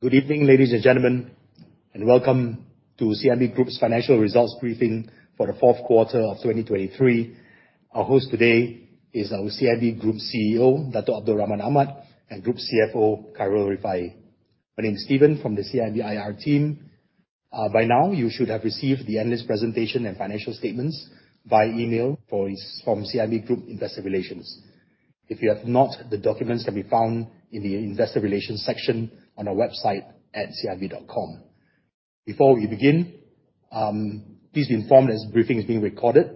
Good evening, ladies and gentlemen. Welcome to CIMB Group's financial results briefing for the fourth quarter of 2023. Our host today is our CIMB Group CEO, Dato' Abdul Rahman Ahmad, and Group CFO, Khairul Rifaie. My name is Steven from the CIMB IR team. By now, you should have received the analyst presentation and financial statements by email from CIMB Group Investor Relations. If you have not, the documents can be found in the investor relations section on our website at cimb.com. Before we begin, please be informed this briefing is being recorded.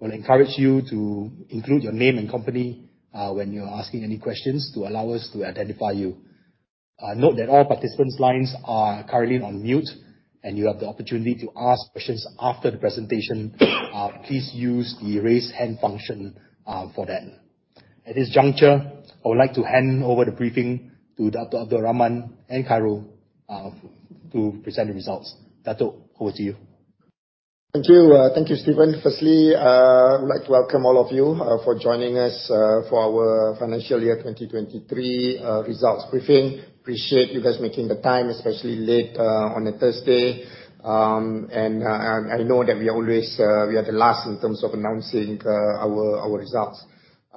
We encourage you to include your name and company, when you're asking any questions to allow us to identify you. Note that all participants' lines are currently on mute. You have the opportunity to ask questions after the presentation. Please use the raise hand function for that. At this juncture, I would like to hand over the briefing to Dato' Abdul Rahman and Khairul Rifaie, to present the results. Dato, over to you. Thank you, Steven. Firstly, I would like to welcome all of you for joining us for our financial year 2023 results briefing. Appreciate you guys making the time, especially late on a Thursday. I know that we are the last in terms of announcing our results.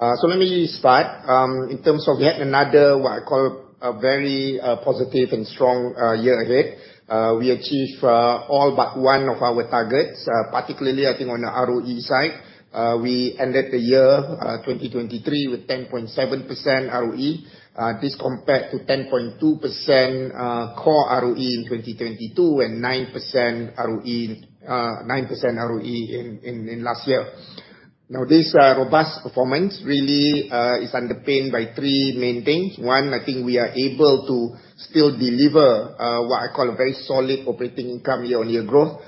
Let me start. In terms of yet another what I call a very positive and strong year ahead, we achieved all but one of our targets, particularly I think on the ROE side. We ended the year 2023 with 10.7% ROE. This compared to 10.2% core ROE in 2022 and 9% ROE in last year. This robust performance really is underpinned by three main things. One, I think we are able to still deliver what I call a very solid operating income year-on-year growth.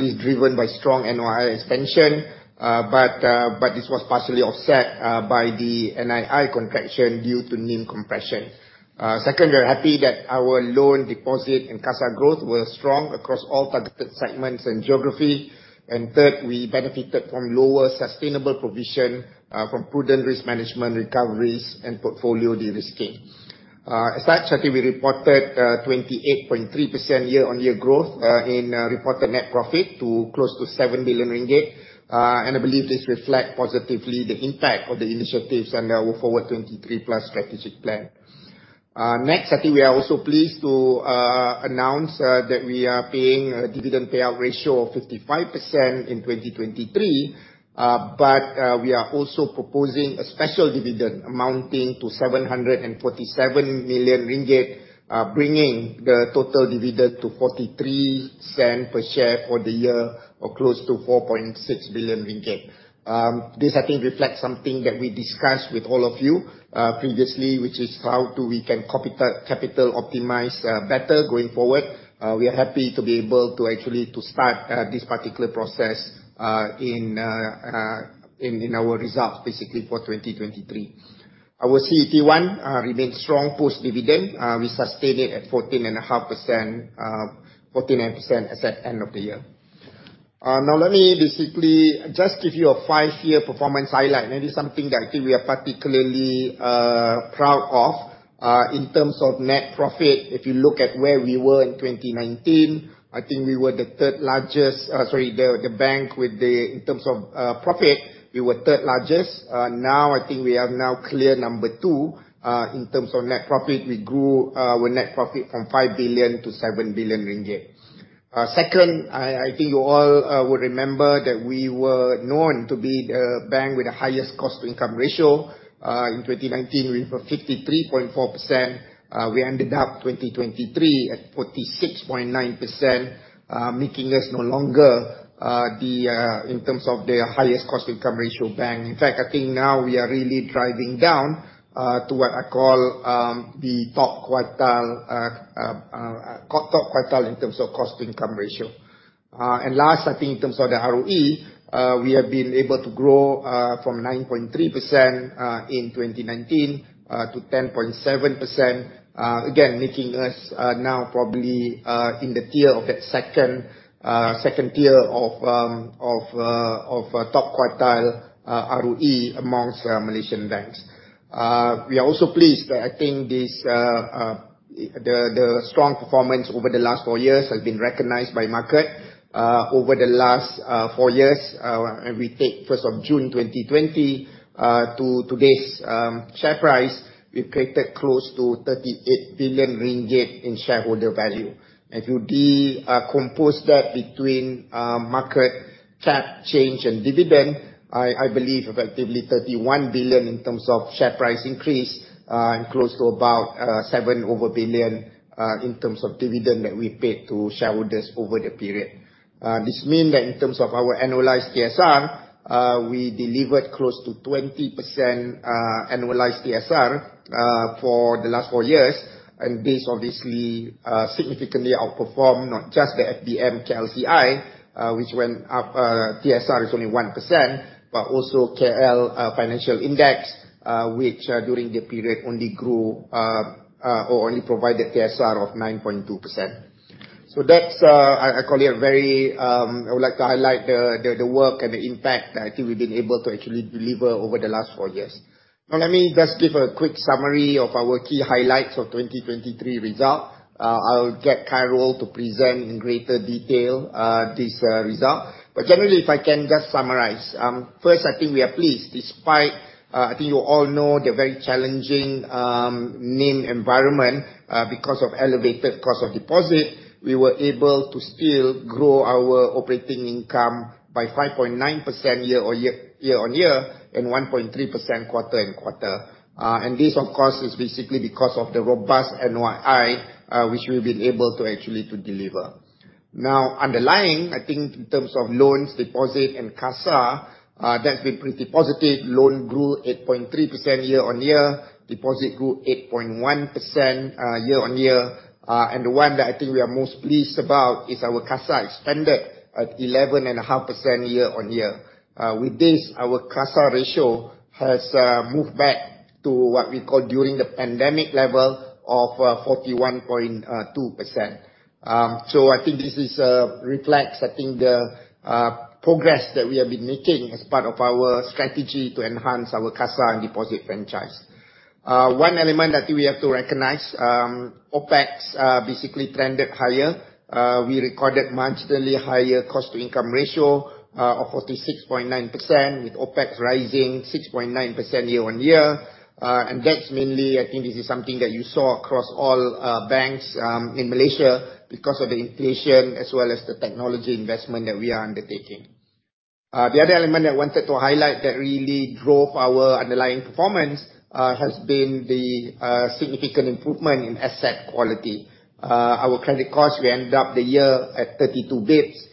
This is driven by strong NOI expansion. This was partially offset by the NII contraction due to NIM compression. Second, we're happy that our loan deposit and CASA growth were strong across all targeted segments and geography. Third, we benefited from lower sustainable provision, from prudent risk management recoveries and portfolio de-risking. As such, I think we reported 28.3% year-on-year growth in reported net profit to close to 7 billion ringgit. I believe this reflect positively the impact of the initiatives under our Forward23+ strategic plan. Next, I think we are also pleased to announce that we are paying a dividend payout ratio of 55% in 2023. We are also proposing a special dividend amounting to 747 million ringgit, bringing the total dividend to 0.43 per share for the year, or close to 4.6 billion ringgit. This, I think, reflects something that we discussed with all of you previously, which is how we can capital-optimize better going forward. We are happy to be able to actually to start this particular process in our results basically for 2023. Our CET1 remains strong post-dividend. We sustain it at 14.5%, 14.8% as at end of the year. Let me basically just give you a five-year performance highlight, and this is something that I think we are particularly proud of. In terms of net profit, if you look at where we were in 2019, I think we were the bank in terms of profit, we were third largest. I think we are now clear number two in terms of net profit. We grew our net profit from 5 billion to 7 billion ringgit. Second, I think you all would remember that we were known to be the bank with the highest cost-to-income ratio. In 2019, we were 53.4%. We ended up 2023 at 46.9%, making us no longer, in terms of the highest cost-to-income ratio bank. In fact, I think now we are really driving down to what I call the top quartile in terms of cost-to-income ratio. Last, I think in terms of the ROE, we have been able to grow from 9.3% in 2019 to 10.7%. Again, making us now probably in the second tier of top quartile ROE amongst Malaysian banks. We are also pleased that I think the strong performance over the last four years has been recognized by market. Over the last four years, we take 1st of June 2020 to today's share price, we've created close to 38 billion ringgit in shareholder value. If you decompose that between market cap change and dividend, I believe effectively 31 billion in terms of share price increase, and close to about 7 billion in terms of dividend that we paid to shareholders over the period. This means that in terms of our annualized TSR, we delivered close to 20% annualized TSR for the last four years. This obviously significantly outperformed not just the FBM KLCI, which went up, TSR is only 1%, but also KL Financial Index, which during the period only grew, or only provided TSR of 9.2%. That's, I call it a very I would like to highlight the work and the impact that I think we've been able to actually deliver over the last four years. Let me just give a quick summary of our key highlights of 2023 results. I'll get Khairul to present in greater detail this result. Generally, if I can just summarize. First, I think we are pleased despite, I think you all know, the very challenging NIM environment, because of elevated cost of deposit, we were able to still grow our operating income by 5.9% year-on-year and 1.3% quarter-on-quarter. This, of course, is basically because of the robust NII, which we've been able to actually deliver. Underlying, I think in terms of loans, deposit, and CASA, that's been pretty positive. Loan grew 8.3% year-on-year, deposit grew 8.1% year-on-year. The one that I think we are most pleased about is our CASA extended at 11.5% year-on-year. With this, our CASA ratio has moved back to what we call during the pandemic level of 41.2%. I think this reflects the progress that we have been making as part of our strategy to enhance our CASA and deposit franchise. One element that we have to recognize, OpEx basically trended higher. We recorded marginally higher cost-to-income ratio of 46.9%, with OpEx rising 6.9% year-on-year. That's mainly, I think this is something that you saw across all banks in Malaysia because of the inflation as well as the technology investment that we are undertaking. The other element I wanted to highlight that really drove our underlying performance, has been the significant improvement in asset quality. Our credit cost, we ended up the year at 32 basis points.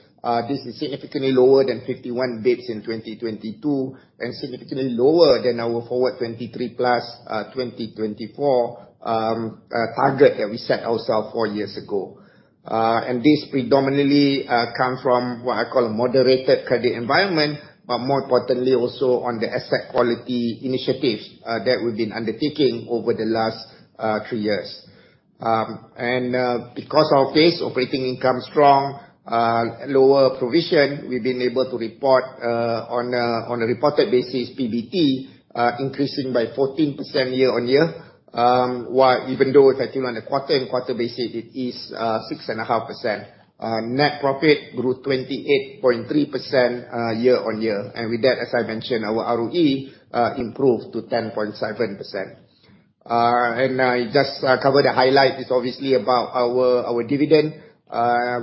This is significantly lower than 51 basis points in 2022 and significantly lower than our Forward23+ 2024 target that we set ourselves four years ago. This predominantly comes from what I call a moderated credit environment, more importantly also on the asset quality initiatives that we've been undertaking over the last three years. Because of this, operating income strong, lower provision, we've been able to report, on a reported basis, PBT, increasing by 14% year-on-year. Even though I think on a quarter-on-quarter basis, it is 6.5%. Net profit grew 28.3% year-on-year. With that, as I mentioned, our ROE improved to 10.7%. I just cover the highlight, is obviously about our dividend.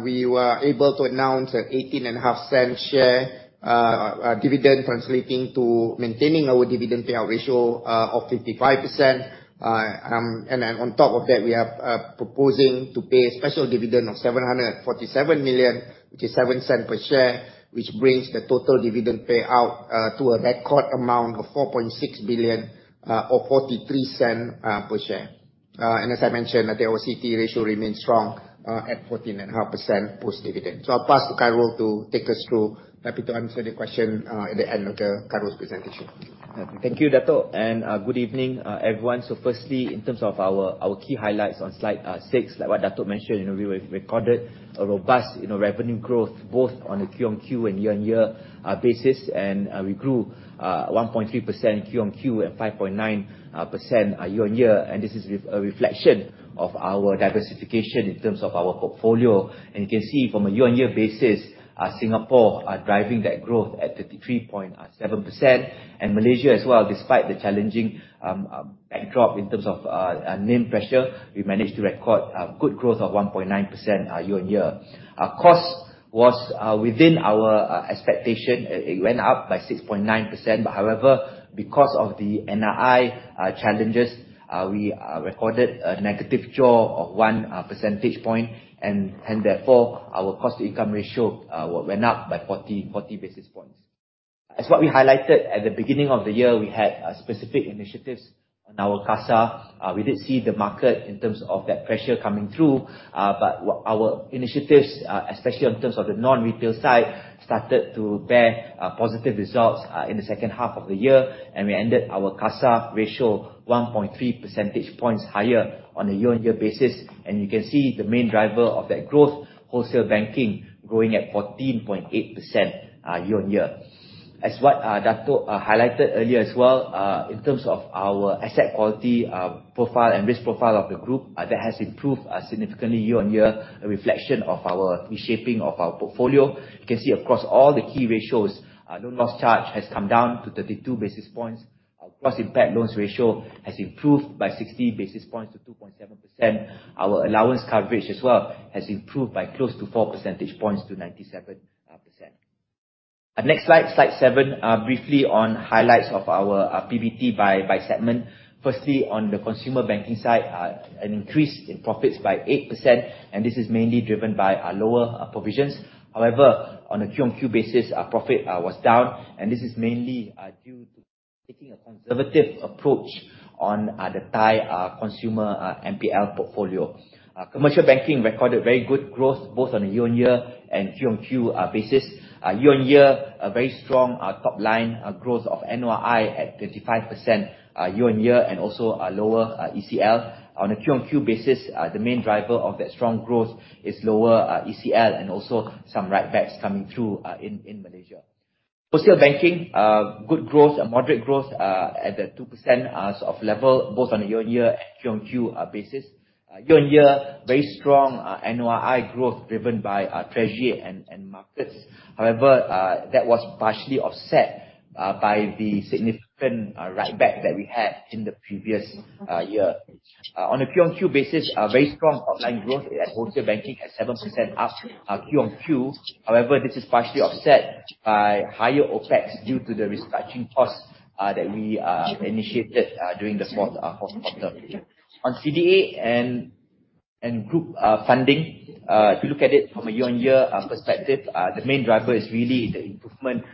We were able to announce a MYR 0.185 share dividend, translating to maintaining our dividend payout ratio of 55%. On top of that, we are proposing to pay a special dividend of 747 million, which is 0.07 per share, which brings the total dividend payout to a record amount of 4.6 billion or 0.43 per share. As I mentioned, the CET1 ratio remains strong at 14.5% post-dividend. I'll pass to Khairul to take us through. Happy to answer the question at the end of Khairul's presentation. Thank you, Dato', good evening, everyone. Firstly, in terms of our key highlights on slide six, like what Dato' mentioned, we recorded a robust revenue growth both on a Q-on-Q and year-on-year basis, we grew 1.3% Q-on-Q and 5.9% year-on-year. This is a reflection of our diversification in terms of our portfolio. You can see from a year-on-year basis, Singapore are driving that growth at 33.7%. Malaysia as well, despite the challenging backdrop in terms of NIM pressure, we managed to record good growth of 1.9% year-on-year. Our cost was within our expectation. It went up by 6.9%, however, because of the NII challenges, we recorded a negative jaws of one percentage point, therefore, our cost-to-income ratio went up by 40 basis points. As what we highlighted at the beginning of the year, we had specific initiatives on our CASA. We did see the market in terms of that pressure coming through, but our initiatives, especially in terms of the non-retail side, started to bear positive results in the second half of the year. We ended our CASA ratio 1.3 percentage points higher on a year-on-year basis. You can see the main driver of that growth, wholesale banking, growing at 14.8% year-on-year. As what Dato' highlighted earlier as well, in terms of our asset quality profile and risk profile of the group, that has improved significantly year-on-year, a reflection of our reshaping of our portfolio. You can see across all the key ratios, loan loss charge has come down to 32 basis points. Our gross impaired loans ratio has improved by 60 basis points to 2.7%. Our allowance coverage as well has improved by close to four percentage points to 97%. Next slide seven, briefly on highlights of our PBT by segment. Firstly, on the consumer banking side, an increase in profits by 8%. This is mainly driven by lower provisions. However, on a QOQ basis, our profit was down. This is mainly due to taking a conservative approach on the Thai consumer NPL portfolio. Commercial banking recorded very good growth both on a year-on-year and QOQ basis. Year-on-year, a very strong top line growth of NOI at 35% year-on-year and also a lower ECL. On a QOQ basis, the main driver of that strong growth is lower ECL and also some write-backs coming through in Malaysia Wholesale banking, good growth and moderate growth, at the 2% sort of level, both on a year-on-year and QOQ basis. Year-on-year, very strong NOI growth driven by treasury and markets. However, that was partially offset by the significant write-back that we had in the previous year. On a QOQ basis, very strong top-line growth at wholesale banking at 7% up QOQ. However, this is partially offset by higher OpEx due to the restructuring costs that we initiated during the fourth quarter. On CDA and group funding, if you look at it from a year-on-year perspective, the main driver is really the improvement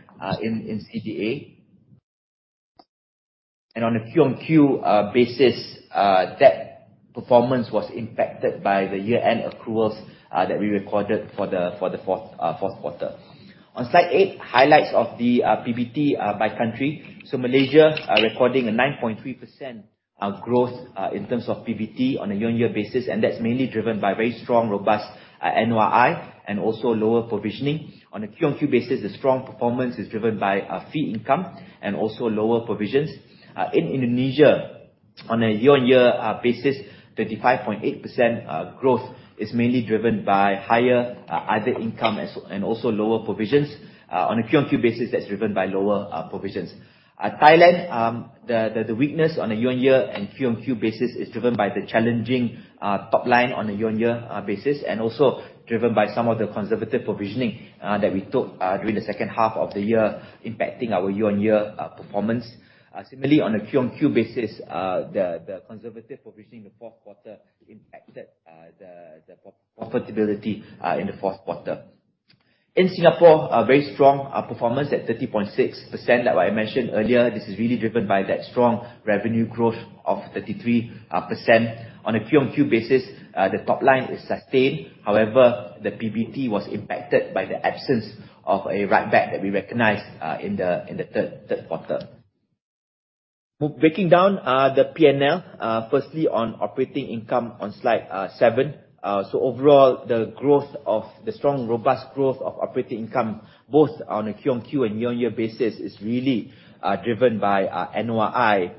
in CDA. On a QOQ basis, that performance was impacted by the year-end accruals that we recorded for the fourth quarter. On slide eight, highlights of the PBT by country. Malaysia, recording a 9.3% growth in terms of PBT on a year-on-year basis. That's mainly driven by very strong, robust NOI and also lower provisioning. On a QOQ basis, the strong performance is driven by fee income and also lower provisions. In Indonesia, on a year-on-year basis, 35.8% growth is mainly driven by higher other income and also lower provisions. On a QOQ basis, that's driven by lower provisions. Thailand, the weakness on a year-on-year and QOQ basis is driven by the challenging top line on a year-on-year basis, and also driven by some of the conservative provisioning that we took during the second half of the year, impacting our year-on-year performance. Similarly, on a QOQ basis, the conservative provisioning in the fourth quarter impacted the profitability in the fourth quarter. In Singapore, a very strong performance at 30.6%. Like what I mentioned earlier, this is really driven by that strong revenue growth of 33%. On a QOQ basis, the top line is sustained. However, the PBT was impacted by the absence of a write-back that we recognized in the third quarter. Breaking down the P&L, firstly on operating income on slide seven. Overall, the strong, robust growth of operating income, both on a QOQ and year-on-year basis, is really driven by NOI.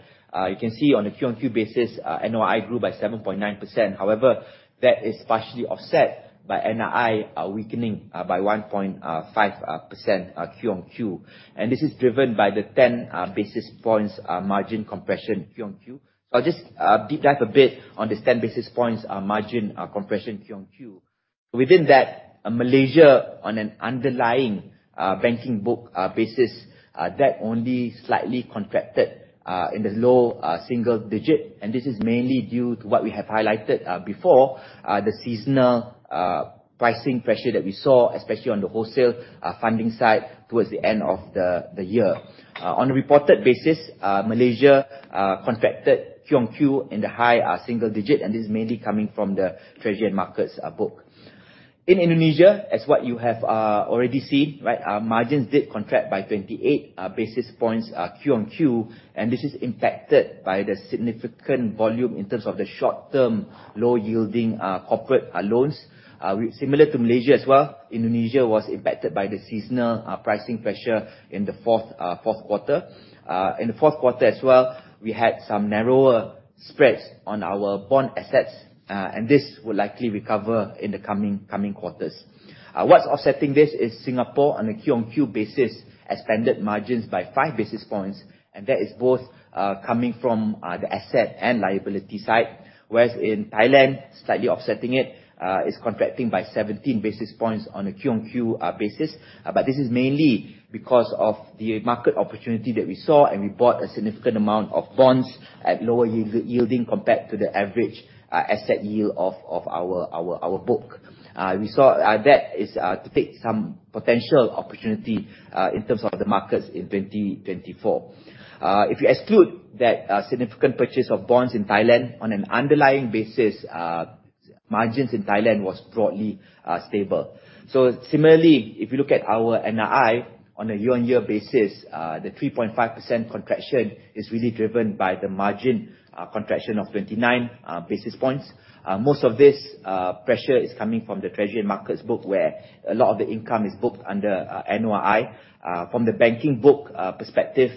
You can see on a QOQ basis, NOI grew by 7.9%. However, that is partially offset by NII weakening by 1.5% QOQ. This is driven by the 10 basis points margin compression QOQ. I'll just deep dive a bit on this 10 basis points margin compression QOQ. Within that, Malaysia, on an underlying banking book basis, that only slightly contracted in the low single digit. This is mainly due to what we have highlighted before, the seasonal pricing pressure that we saw, especially on the wholesale funding side towards the end of the year. On a reported basis, Malaysia contracted QOQ in the high single digit. This is mainly coming from the Treasury and Markets book. In Indonesia, as what you have already seen, right? Our margins did contract by 28 basis points QOQ. This is impacted by the significant volume in terms of the short-term, low-yielding corporate loans. Similar to Malaysia as well, Indonesia was impacted by the seasonal pricing pressure in the fourth quarter. In the fourth quarter as well, we had some narrower spreads on our bond assets. This will likely recover in the coming quarters. What's offsetting this is Singapore on a QOQ basis, expanded margins by five basis points. That is both coming from the asset and liability side, whereas in Thailand, slightly offsetting it, is contracting by 17 basis points on a QOQ basis. This is mainly because of the market opportunity that we saw. We bought a significant amount of bonds at lower yielding compared to the average asset yield of our book. That is to take some potential opportunity in terms of the markets in 2024. If you exclude that significant purchase of bonds in Thailand on an underlying basis, margins in Thailand was broadly stable. Similarly, if you look at our NII on a year-on-year basis, the 3.5% contraction is really driven by the margin contraction of 29 basis points. Most of this pressure is coming from the Treasury and Markets book, where a lot of the income is booked under NOI. From the banking book perspective,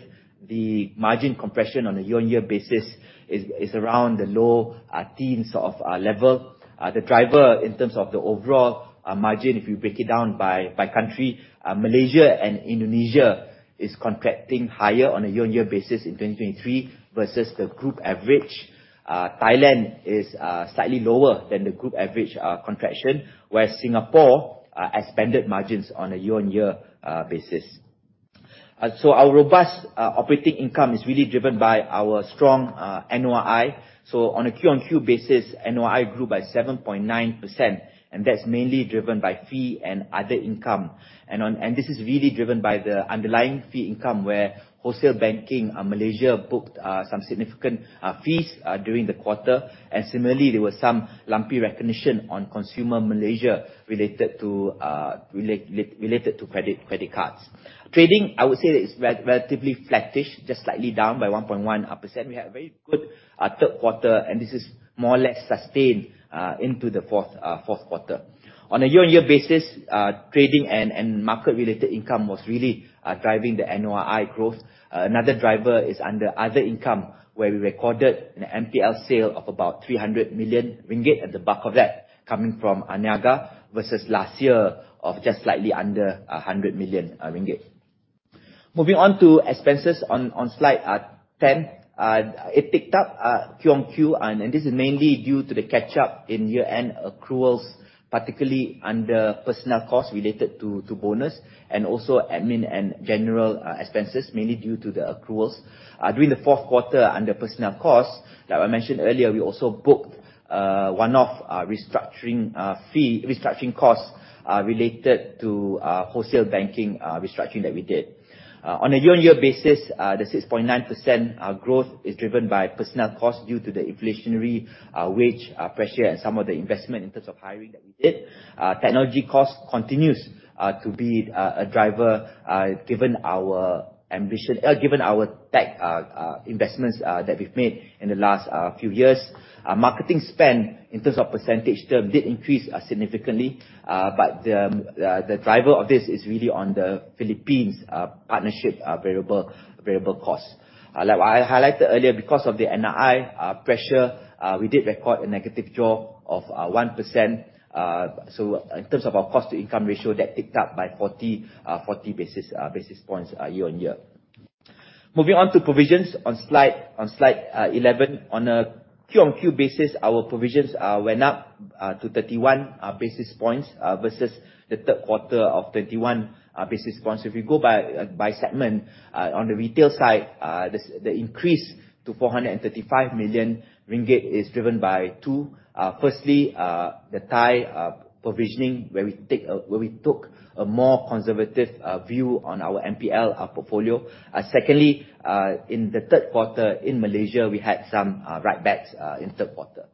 the margin compression on a year-on-year basis is around the low teens of level. The driver in terms of the overall margin, if you break it down by country, Malaysia and Indonesia is contracting higher on a year-on-year basis in 2023 versus the group average. Thailand is slightly lower than the group average contraction, where Singapore expanded margins on a year-on-year basis. Our robust operating income is really driven by our strong NOI. On a QOQ basis, NOI grew by 7.9%. That's mainly driven by fee and other income. This is really driven by the underlying fee income where wholesale banking, Malaysia booked some significant fees during the quarter. Similarly, there was some lumpy recognition on Consumer Malaysia related to credit cards. Trading, I would say that it's relatively flattish, just slightly down by 1.1%. We had a very good third quarter, and this is more or less sustained into the fourth quarter. On a year-on-year basis, trading and market-related income was really driving the NOI growth. Another driver is under other income, where we recorded an NPL sale of about 300 million ringgit, and the bulk of that coming from CIMB Niaga versus last year of just slightly under 100 million ringgit. Moving on to expenses on slide 10. It picked up quarter-on-quarter, and this is mainly due to the catch-up in year-end accruals, particularly under personnel costs related to bonus and also admin and general expenses, mainly due to the accruals. During the fourth quarter, under personnel costs, as I mentioned earlier, we also booked one-off restructuring costs, related to wholesale banking restructuring that we did. On a year-on-year basis, the 6.9% growth is driven by personnel costs due to the inflationary wage pressure and some of the investment in terms of hiring that we did. Technology cost continues to be a driver, given our tech investments that we've made in the last few years. Marketing spend, in terms of percentage, did increase significantly, but the driver of this is really on the Philippines partnership variable costs. Like I highlighted earlier, because of the NII pressure, we did record a negative draw of 1%. In terms of our cost-to-income ratio, that ticked up by 40 basis points year-on-year. Moving on to provisions on slide 11. On a quarter-on-quarter basis, our provisions went up to 31 basis points versus the third quarter of 21 basis points. If you go by segment, on the retail side, the increase to 435 million ringgit is driven by two. Firstly, the Thai provisioning, where we took a more conservative view on our NPL portfolio. Secondly, in the third quarter in Malaysia, we had some write-backs in third quarter.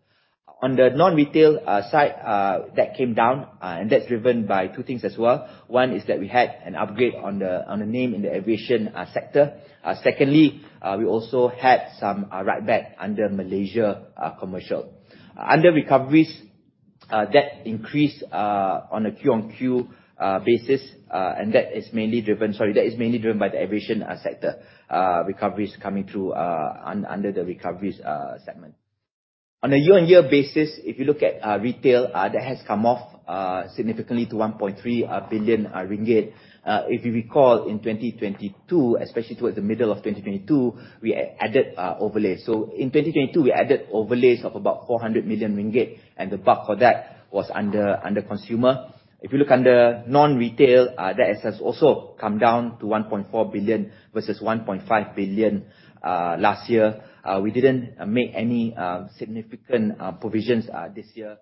On the non-retail side, that came down, and that's driven by two things as well. One is that we had an upgrade on the name in the aviation sector. Secondly, we also had some write-back under Malaysia Commercial. Under recoveries, that increased on a quarter-on-quarter basis, and that is mainly driven by the aviation sector recoveries coming through under the recoveries segment. On a year-on-year basis, if you look at retail, that has come off significantly to 1.3 billion ringgit. If you recall, in 2022, especially towards the middle of 2022, we added overlays. In 2022, we added overlays of about 400 million ringgit, and the bulk of that was under consumer. If you look under non-retail, that has also come down to 1.4 billion versus 1.5 billion last year. We didn't make any significant provisions this year.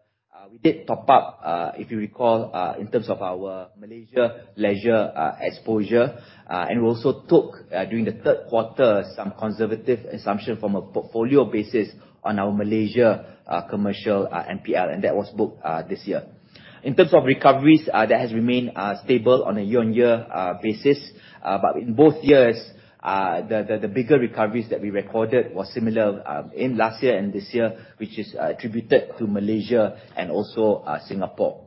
We did top up, if you recall, in terms of our Malaysia leisure exposure. We also took, during the third quarter, some conservative assumption from a portfolio basis on our Malaysia commercial NPL, and that was booked this year. In terms of recoveries, that has remained stable on a year-on-year basis. In both years, the bigger recoveries that we recorded were similar in last year and this year, which is attributed to Malaysia and also Singapore.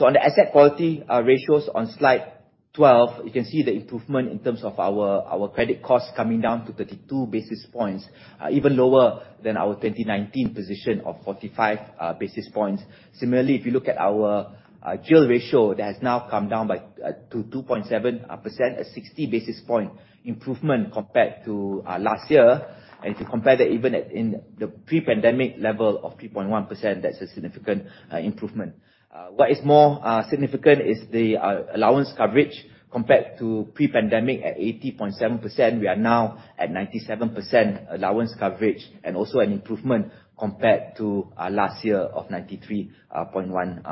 On the asset quality ratios on Slide 12, you can see the improvement in terms of our credit costs coming down to 32 basis points, even lower than our 2019 position of 45 basis points. Similarly, if you look at our ratio, that has now come down to 2.7%, a 60-basis point improvement compared to last year. If you compare that even in the pre-pandemic level of 3.1%, that's a significant improvement. What is more significant is the allowance coverage compared to pre-pandemic at 80.7%, we are now at 97% allowance coverage, and also an improvement compared to last year of 93.1%.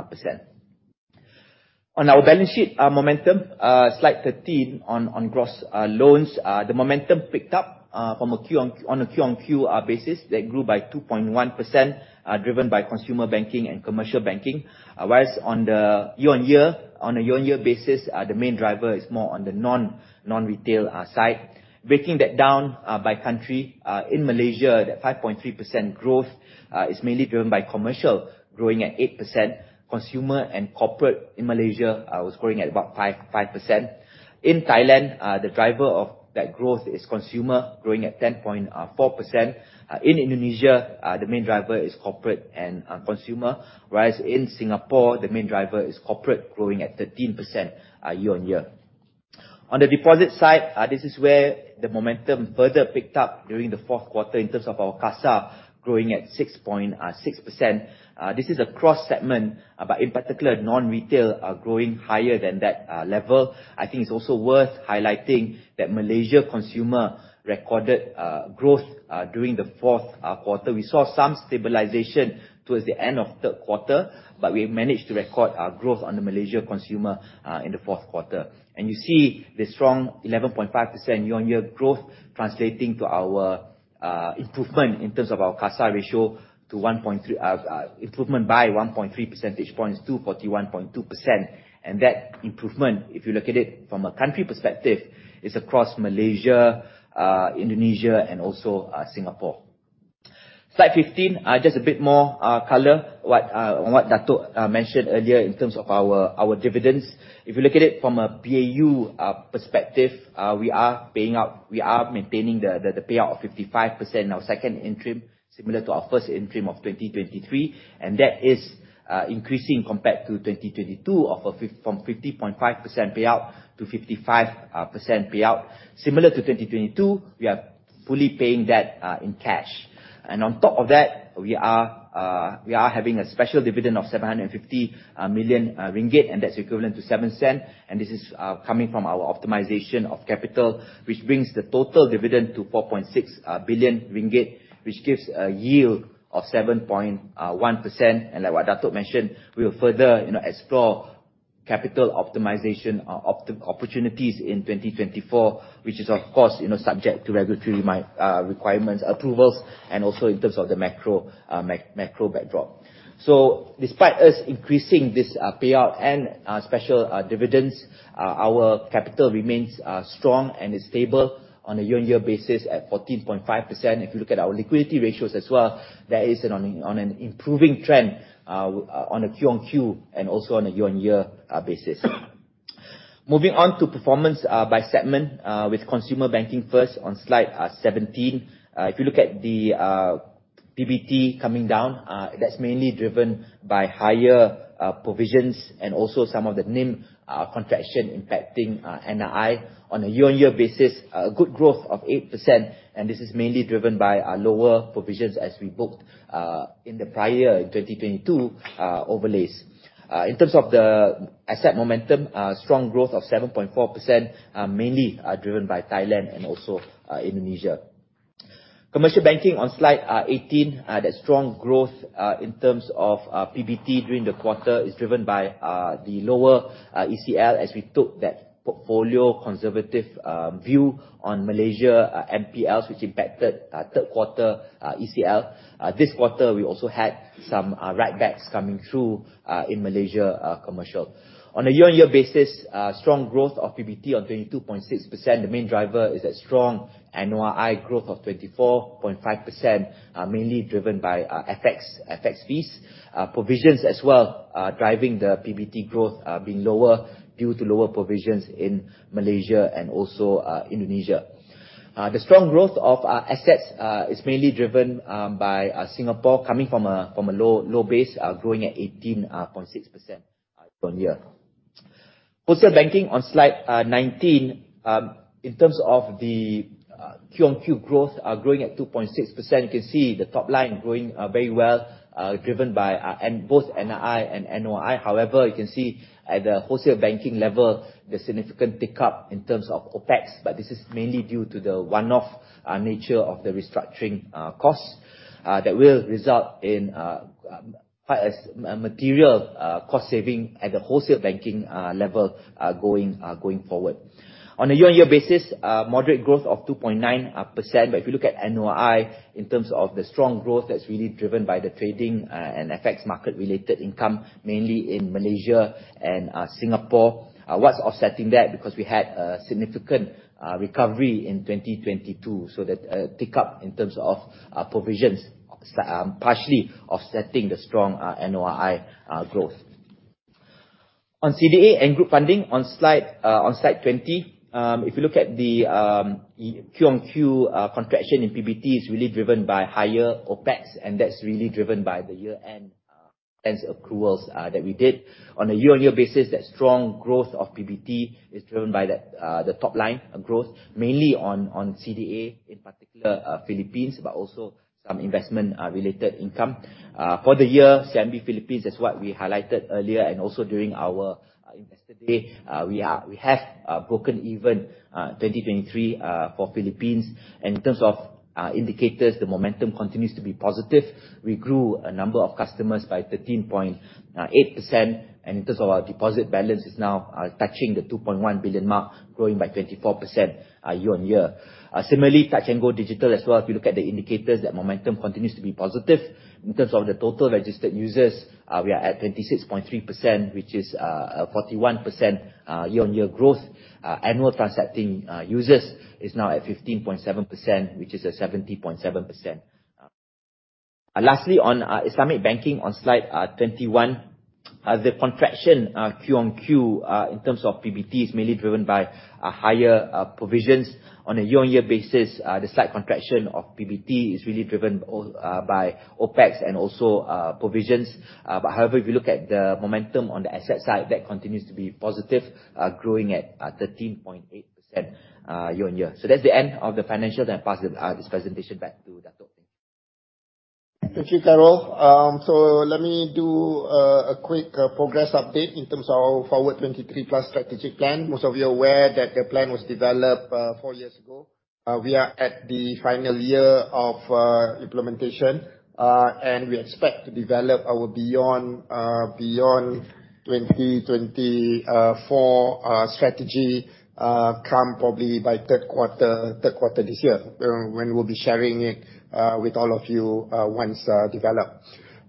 On our balance sheet momentum, Slide 13 on gross loans, the momentum picked up on a quarter-on-quarter basis that grew by 2.1%, driven by consumer banking and commercial banking. On a year-on-year basis, the main driver is more on the non-retail side. Breaking that down by country, in Malaysia, that 5.3% growth is mainly driven by commercial growing at 8%. Consumer and corporate in Malaysia was growing at about 5%. In Thailand, the driver of that growth is consumer, growing at 10.4%. In Indonesia, the main driver is corporate and consumer. In Singapore, the main driver is corporate, growing at 13% year-on-year. On the deposit side, this is where the momentum further picked up during the fourth quarter in terms of our CASA growing at 6.6%. This is across segment, but in particular, non-retail are growing higher than that level. It's also worth highlighting that Malaysia consumer recorded growth during the fourth quarter. We saw some stabilization towards the end of third quarter, we managed to record our growth on the Malaysia consumer in the fourth quarter. You see the strong 11.5% year-on-year growth translating to our improvement in terms of our CASA ratio, improvement by 1.3 percentage points to 41.2%. That improvement, if you look at it from a country perspective, is across Malaysia, Indonesia, and also Singapore. Slide 15, just a bit more color on what Dato' mentioned earlier in terms of our dividends. If you look at it from a BAU perspective, we are maintaining the payout of 55% in our second interim, similar to our first interim of 2023, and that is increasing compared to 2022 from 50.5% payout to 55% payout. Similar to 2022, we are fully paying that in cash. On top of that, we are having a special dividend of 750 million ringgit, and that's equivalent to 0.07. This is coming from our optimization of capital, which brings the total dividend to 4.6 billion ringgit, which gives a yield of 7.1%. Like what Dato' mentioned, we will further explore capital optimization opportunities in 2024, which is, of course, subject to regulatory requirements, approvals, and also in terms of the macro backdrop. Despite us increasing this payout and special dividends, our capital remains strong and is stable on a year-on-year basis at 14.5%. If you look at our liquidity ratios as well, that is on an improving trend on a quarter-on-quarter and also on a year-on-year basis. Moving on to performance by segment with consumer banking first on Slide 17. If you look at the PBT coming down, that's mainly driven by higher provisions and also some of the NIM contraction impacting NII. On a year-on-year basis, a good growth of 8%, and this is mainly driven by lower provisions as we booked in the prior year, in 2022 overlays. In terms of the asset momentum, strong growth of 7.4% mainly driven by Thailand and also Indonesia. Commercial banking on slide 18. That strong growth in terms of PBT during the quarter is driven by the lower ECL as we took that portfolio conservative view on Malaysia NPLs, which impacted third quarter ECL. This quarter, we also had some write-backs coming through in Malaysia commercial. On a year-on-year basis, strong growth of PBT on 22.6%. The main driver is that strong NOI growth of 24.5%, mainly driven by FX fees. Provisions as well, are driving the PBT growth, being lower due to lower provisions in Malaysia and also Indonesia. The strong growth of our assets is mainly driven by Singapore coming from a low base, growing at 18.6% year-on-year. Wholesale banking on slide 19. In terms of the QOQ growth, growing at 2.6%, you can see the top line growing very well, driven by both NII and NOI. You can see at the wholesale banking level, the significant tick-up in terms of OpEx, this is mainly due to the one-off nature of the restructuring costs that will result in quite a material cost saving at the wholesale banking level going forward. On a year-on-year basis, moderate growth of 2.9%. If you look at NOI in terms of the strong growth, that's really driven by the trading and FX market related income, mainly in Malaysia and Singapore. What's offsetting that, because we had a significant recovery in 2022, that tick-up in terms of provisions partially offsetting the strong NOI growth. On CDA and group funding on slide 20. If you look at the QOQ, contraction in PBT is really driven by higher OpEx, that's really driven by the year-end accruals that we did. On a year-on-year basis, that strong growth of PBT is driven by the top line growth, mainly on CDA, in particular Philippines, but also some investment-related income. For the year, CIMB Philippines, that's what we highlighted earlier and also during our Investor Day. We have broken even 2023 for Philippines. In terms of indicators, the momentum continues to be positive. We grew a number of customers by 13.8%. In terms of our deposit balance is now touching the 2.1 billion mark, growing by 24% year-on-year. Similarly, Touch 'n Go Digital as well. If you look at the indicators, that momentum continues to be positive. In terms of the total registered users, we are at 26.3%, which is a 41% year-on-year growth. Annual transacting users is now at 15.7%, which is a 70.7%. Lastly, on Islamic banking on slide 21. The contraction QOQ, in terms of PBT, is mainly driven by higher provisions. On a year-on-year basis, the slight contraction of PBT is really driven by OpEx and also provisions. However, if you look at the momentum on the asset side, that continues to be positive, growing at 13.8% year-on-year. That's the end of the financial, I pass this presentation back to Dato'. Thank you, Carol. Let me do a quick progress update in terms of our Forward23+ strategic plan. Most of you are aware that the plan was developed four years ago. We are at the final year of implementation, and we expect to develop our beyond 2024 strategy come probably by third quarter this year, when we'll be sharing it with all of you once developed.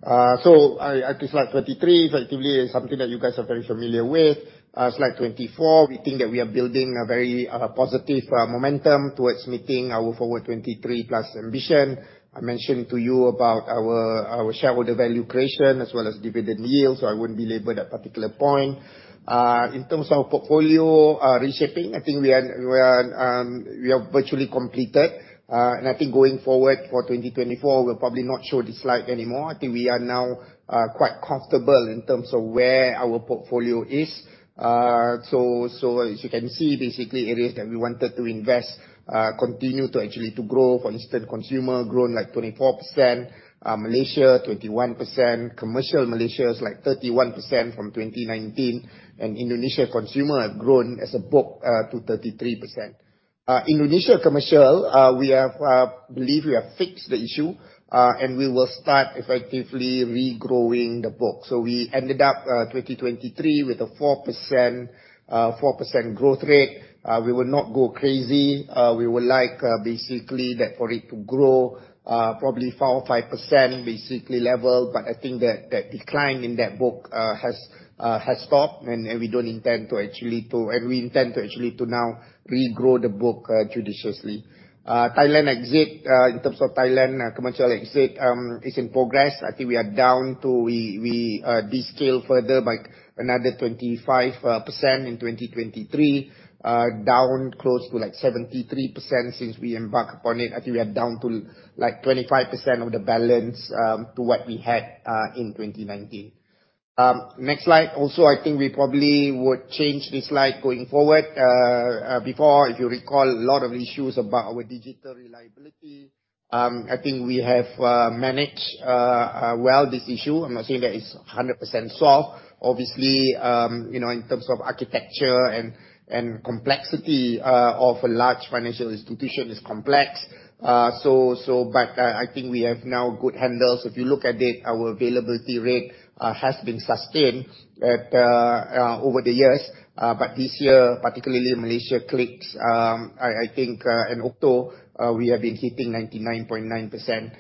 Actually, slide 23 effectively is something that you guys are very familiar with. Slide 24, we think that we are building a very positive momentum towards meeting our Forward23+ ambition. I mentioned to you about our shareholder value creation as well as dividend yield, I wouldn't belabor that particular point. In terms of portfolio reshaping, I think we have virtually completed. I think going forward for 2024, we'll probably not show this slide anymore. I think we are now quite comfortable in terms of where our portfolio is. As you can see, basically areas that we wanted to invest continue to actually to grow. For instance, consumer grown like 24%, Malaysia 21%, commercial Malaysia is like 31% from 2019, and Indonesia consumer have grown as a book to 33%. Indonesia commercial, we believe we have fixed the issue, and we will start effectively regrowing the book. We ended up 2023 with a 4% growth rate. We will not go crazy. We would like basically that for it to grow probably 4% or 5% basically level. I think that decline in that book has stopped, and we intend to actually to now regrow the book judiciously. Thailand exit, in terms of Thailand commercial exit, is in progress. I think we deskale further by another 25% in 2023, down close to like 73% since we embarked upon it. I think we are down to like 25% of the balance to what we had in 2019. Next slide. Also, I think we probably would change this slide going forward. Before, if you recall, a lot of issues about our digital reliability. I think we have managed well this issue. I'm not saying that it's 100% solved. Obviously, in terms of architecture and complexity of a large financial institution is complex. I think we have now good handles. If you look at it, our availability rate has been sustained over the years. But this year, particularly Malaysia Clicks, I think in October, we have been hitting 99.9%.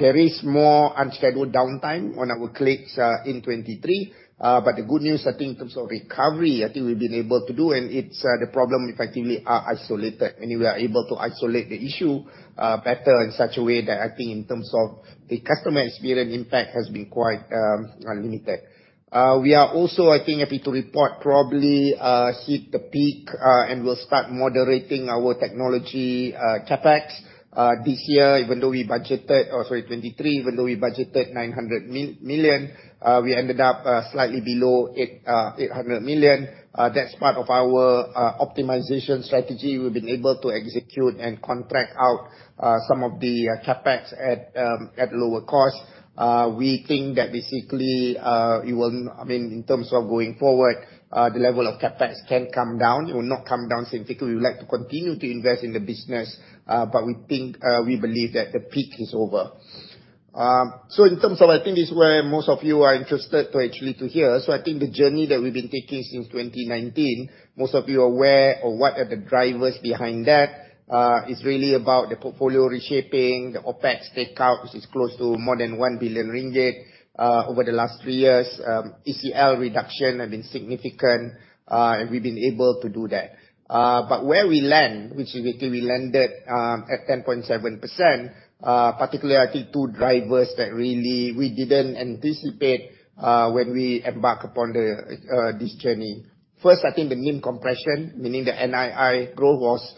There is more unscheduled downtime on our Clicks in 2023. The good news, I think, in terms of recovery, I think we've been able to do. The problem effectively are isolated. We are able to isolate the issue better in such a way that I think in terms of the customer experience impact has been quite limited. We are also, I think, happy to report probably hit the peak, and we'll start moderating our technology CapEx. This year, even though we budgeted, sorry, 2023, even though we budgeted 900 million, we ended up slightly below 800 million. That's part of our optimization strategy. We've been able to execute and contract out some of the CapEx at lower cost. We think that, basically, in terms of going forward, the level of CapEx can come down. It will not come down significantly. We would like to continue to invest in the business. We believe that the peak is over. In terms of, I think, it's where most of you are interested to actually hear. I think the journey that we've been taking since 2019, most of you are aware of what are the drivers behind that. It's really about the portfolio reshaping, the OpEx take-out, which is close to more than 1 billion ringgit over the last three years. ECL reduction has been significant. We've been able to do that. Where we land, which, basically, we landed at 10.7%, particularly, I think, two drivers that really we didn't anticipate when we embark upon this journey. First, I think, the NIM compression, meaning the NII growth was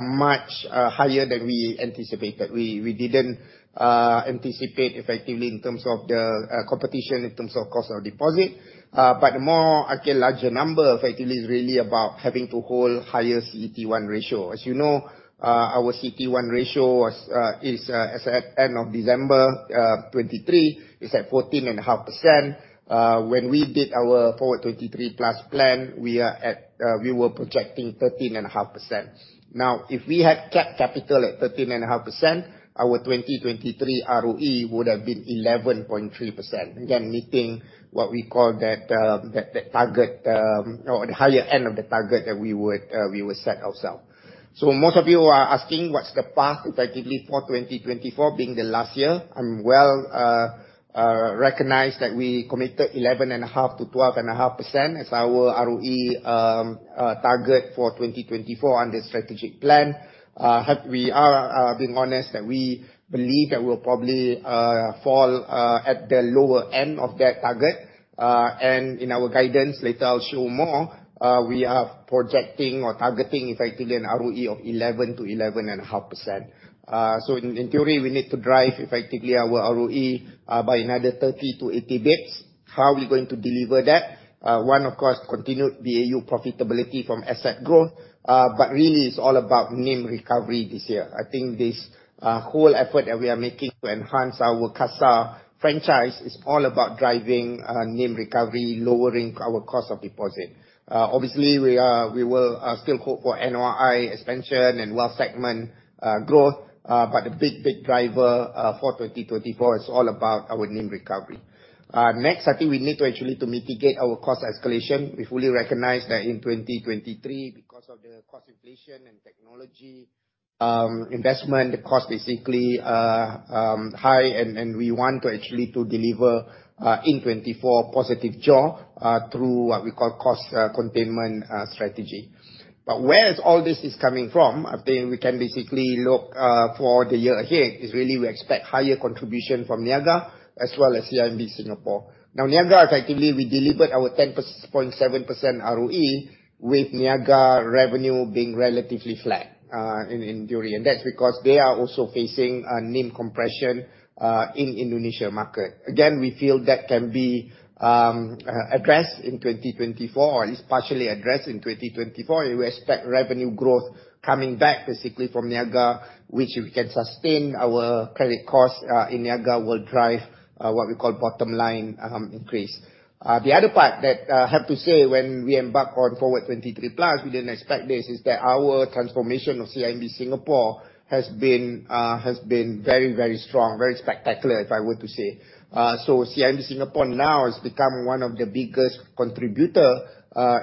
much higher than we anticipated. We didn't anticipate effectively in terms of the competition, in terms of cost of deposit. The more, I think, larger number, effectively, is really about having to hold higher CET1 ratio. As you know, our CET1 ratio as at end of December 2023, is at 14.5%. When we did our Forward23+ plan, we were projecting 13.5%. Now, if we had kept capital at 13.5%, our 2023 ROE would have been 11.3%. Again, meeting what we call the higher end of the target that we would set ourselves. Most of you are asking, what's the path effectively for 2024 being the last year? I'm well recognized that we committed 11.5%-12.5% as our ROE target for 2024 under strategic plan. We are being honest that we believe that we'll probably fall at the lower end of that target. In our guidance later, I'll show more. We are projecting or targeting effectively an ROE of 11%-11.5%. In theory, we need to drive effectively our ROE by another 30 to 80 basis points. How are we going to deliver that? One, of course, continued BAU profitability from asset growth. Really it's all about NIM recovery this year. I think this whole effort that we are making to enhance our CASA franchise is all about driving NIM recovery, lowering our cost of deposit. Obviously, we will still hope for NOI expansion and wealth segment growth. The big driver for 2024 is all about our NIM recovery. Next, I think, we need to actually mitigate our cost escalation. We fully recognize that in 2023, because of the cost inflation and technology investment, the cost is simply high. We want to actually deliver in 2024 positive jaws through what we call cost containment strategy. Where is all this coming from? I think we can basically look for the year ahead, is really we expect higher contribution from Niaga, as well as CIMB Singapore. Niaga, effectively, we delivered our 10.7% ROE with Niaga revenue being relatively flat in the year. That's because they are also facing a NIM compression in Indonesian market. We feel that can be addressed in 2024, or at least partially addressed in 2024. We expect revenue growth coming back basically from Niaga, which we can sustain our credit cost in Niaga will drive what we call bottom line increase. The other part that I have to say, when we embark on Forward23+, we didn't expect this, is that our transformation of CIMB Singapore has been very strong. Very spectacular, if I were to say. CIMB Singapore now has become one of the biggest contributor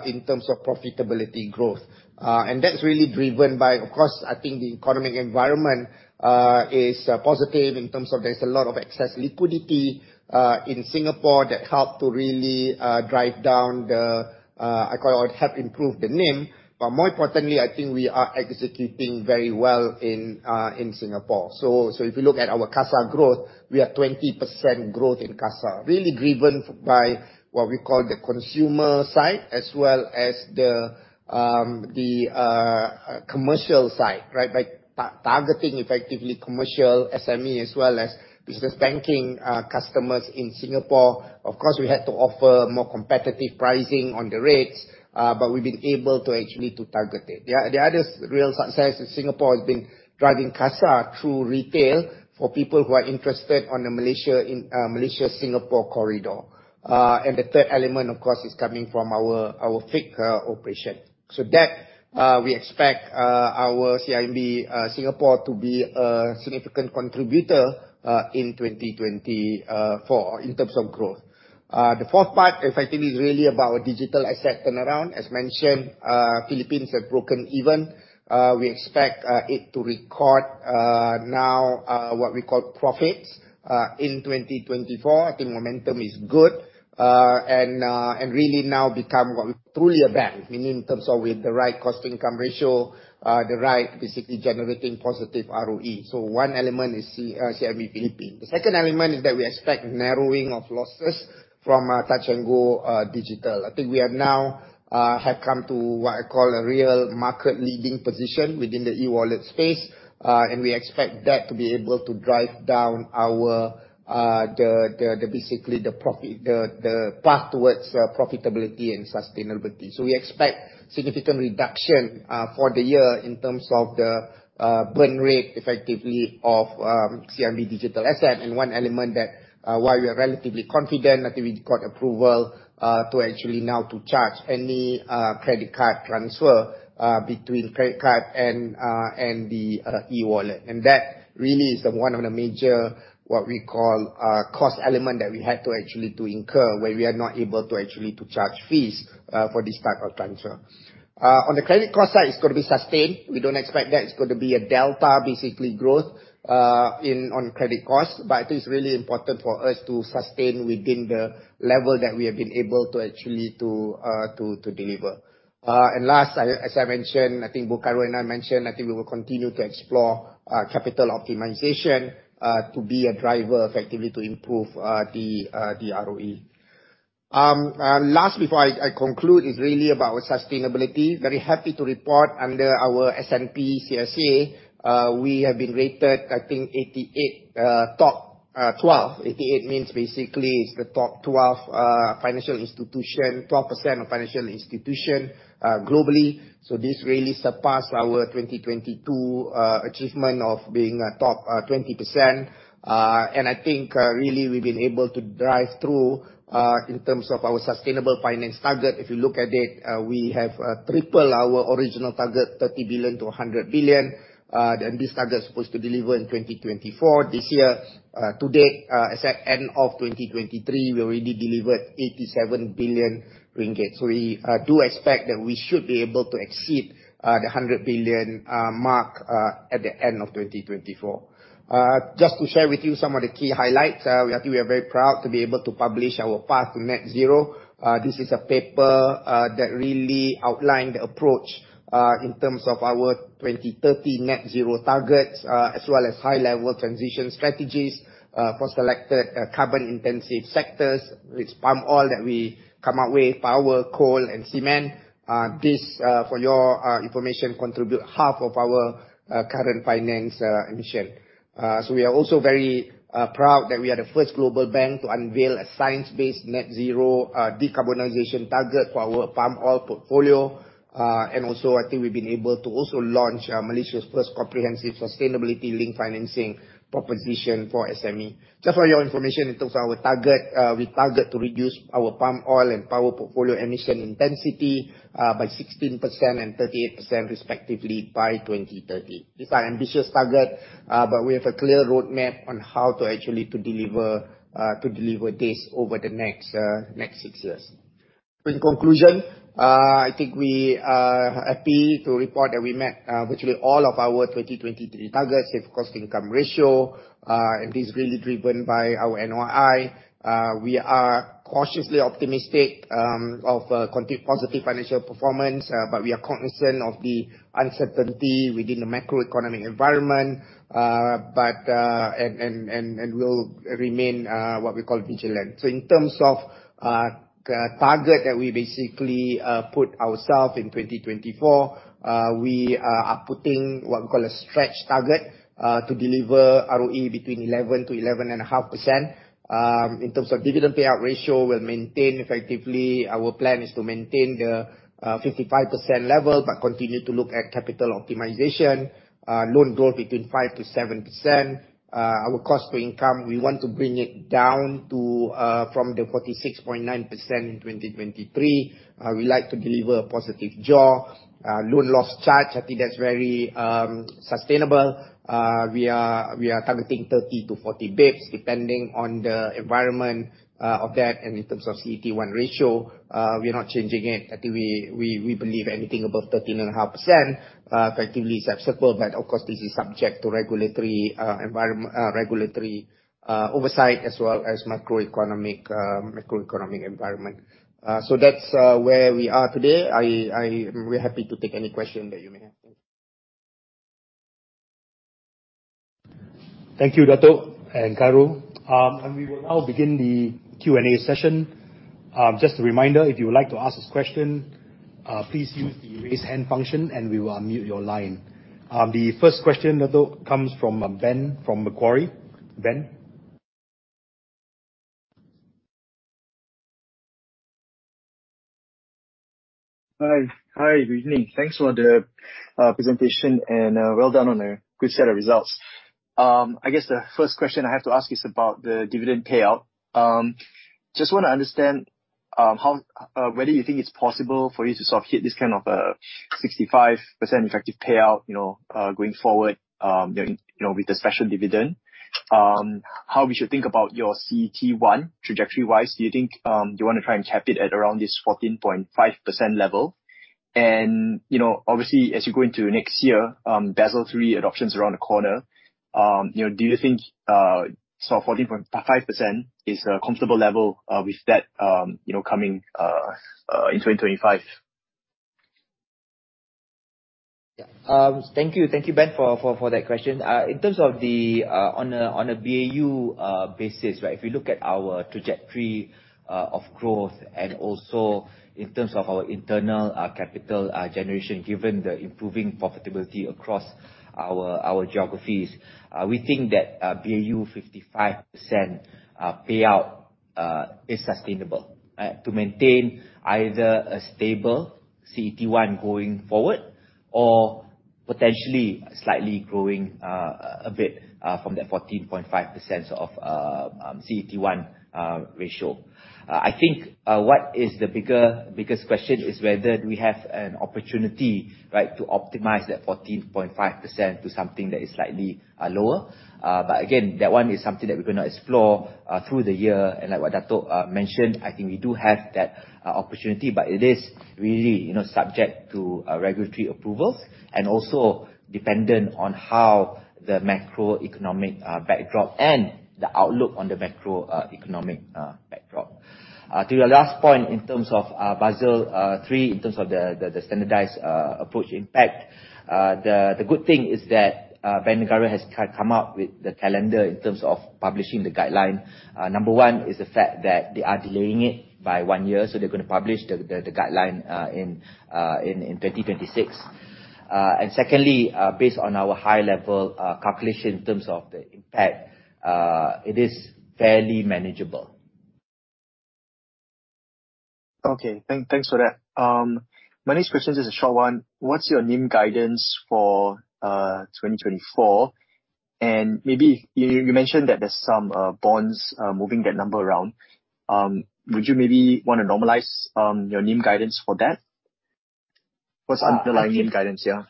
in terms of profitability growth. That's really driven by, of course, I think the economic environment is positive in terms of there's a lot of excess liquidity in Singapore that help to really drive down the, I call it, help improve the NIM. More importantly, I think we are executing very well in Singapore. If you look at our CASA growth, we are 20% growth in CASA, really driven by what we call the consumer side as well as the commercial side, by targeting effectively commercial SME as well as business banking customers in Singapore. Of course, we had to offer more competitive pricing on the rates, but we've been able to actually target it. The other real success in Singapore has been driving CASA through retail for people who are interested on the Malaysia-Singapore corridor. The third element, of course, is coming from our FIKRALab operation. That, we expect our CIMB Singapore to be a significant contributor in 2024 in terms of growth. The fourth part effectively is really about digital asset turnaround. As mentioned, CIMB Bank Philippines have broken even. We expect it to record now what we call profits, in 2024. I think momentum is good, really now become truly a bank, meaning in terms of with the right cost-to-income ratio, the right basically generating positive ROE. One element is CIMB Philippines. The second element is that we expect narrowing of losses from Touch 'n Go Digital. I think we have now come to what I call a real market leading position within the eWallet space. We expect that to be able to drive down basically the path towards profitability and sustainability. We expect significant reduction for the year in terms of the burn rate, effectively, of CIMB digital asset. One element that, while we are relatively confident that we got approval to actually now to charge any credit card transfer between credit card and the eWallet. That really is one of the major, what we call cost element that we had to actually incur, where we are not able to actually charge fees for this type of transfer. On the credit cost side, it's got to be sustained. We don't expect that it's going to be a delta, basically growth, on credit cost. I think it's really important for us to sustain within the level that we have been able to actually deliver. Last, as I mentioned, I think Khairul and I mentioned, I think we will continue to explore capital optimization, to be a driver effectively to improve the ROE. Last, before I conclude, is really about sustainability. Very happy to report under our S&P CSA, we have been rated, I think, 88, top 12. 88 means basically it is the top 12% of financial institutions globally. This really surpassed our 2022 achievement of being a top 20%. I think really we have been able to drive through, in terms of our sustainable finance target. If you look at it, we have tripled our original target, 30 billion to 100 billion. This target is supposed to deliver in 2024. This year to date, as at end of 2023, we already delivered 87 billion ringgit. We do expect that we should be able to exceed the 100 billion mark at the end of 2024. Just to share with you some of the key highlights. I think we are very proud to be able to publish our path to net zero. This is a paper that really outlined the approach in terms of our 2030 net zero targets, as well as high-level transition strategies for selected carbon intensive sectors with palm oil that we came up with, power, coal, and cement. This, for your information, contributes half of our current finance emissions. We are also very proud that we are the first global bank to unveil a science-based net zero decarbonization target for our palm oil portfolio. Also, I think we have been able to also launch Malaysia's first comprehensive sustainability-linked financing proposition for SME. Just for your information, in terms of our target, we target to reduce our palm oil and power portfolio emission intensity by 16% and 38% respectively by 2030. It is an ambitious target, but we have a clear roadmap on how to actually deliver this over the next six years. In conclusion, I think we are happy to report that we met virtually all of our 2023 targets, save cost-to-income ratio, and it is really driven by our NOI. We are cautiously optimistic of positive financial performance, but we are cognizant of the uncertainty within the macroeconomic environment, and we will remain, what we call, vigilant. In terms of target that we basically put ourselves in 2024, we are putting what we call a stretch target to deliver ROE between 11%-11.5%. In terms of dividend payout ratio, we will maintain, effectively, our plan is to maintain the 55% level, but continue to look at capital optimization. Loan growth between 5%-7%. Our cost-to-income, we want to bring it down from the 46.9% in 2023. We like to deliver a positive JOR. loan loss charge, I think that is very sustainable. We are targeting 30 to 40 basis points depending on the environment of that. In terms of CET1 ratio, we are not changing it. I think we believe anything above 13.5% effectively is acceptable, but of course, this is subject to regulatory oversight as well as macroeconomic environment. That is where we are today. I am very happy to take any question that you may have. Thank you. Thank you, Dato' and Khairul. We will now begin the Q&A session. Just a reminder, if you would like to ask a question, please use the raise hand function and we will unmute your line. The first question, Dato', comes from Ben, from Macquarie. Ben? Hi. Good evening. Thanks for the presentation, and well done on a good set of results. I guess the first question I have to ask is about the dividend payout. Just want to understand whether you think it's possible for you to hit this kind of a 65% effective payout, going forward, with the special dividend. How we should think about your CET1 trajectory wise? Do you think you want to try and cap it at around this 14.5% level? Obviously, as you go into next year, Basel III adoption's around the corner. Do you think 14.5% is a comfortable level with that coming in 2025? Thank you, Ben, for that question. In terms of on a BAU basis, right, if you look at our trajectory of growth and also in terms of our internal capital generation, given the improving profitability across our geographies, we think that a BAU 55% payout is sustainable to maintain either a stable CET1 going forward or potentially slightly growing a bit, from that 14.5% of CET1 ratio. I think what is the biggest question is whether do we have an opportunity to optimize that 14.5% to something that is slightly lower. Again, that one is something that we're going to explore through the year. Like what Dato' mentioned, I think we do have that opportunity, but it is really subject to regulatory approvals, and also dependent on how the macroeconomic backdrop and the outlook on the macroeconomic backdrop. To your last point in terms of Basel III, in terms of the standardized approach impact, the good thing is that Bank Negara has come out with the calendar in terms of publishing the guideline. Number one is the fact that they are delaying it by one year, so they're going to publish the guideline in 2026. Secondly, based on our high level calculation in terms of the impact, it is fairly manageable. Okay. Thanks for that. My next question is a short one. What's your NIM guidance for 2024? Maybe, you mentioned that there's some bonds moving that number around. Would you maybe want to normalize your NIM guidance for that? What's the underlying NIM guidance here?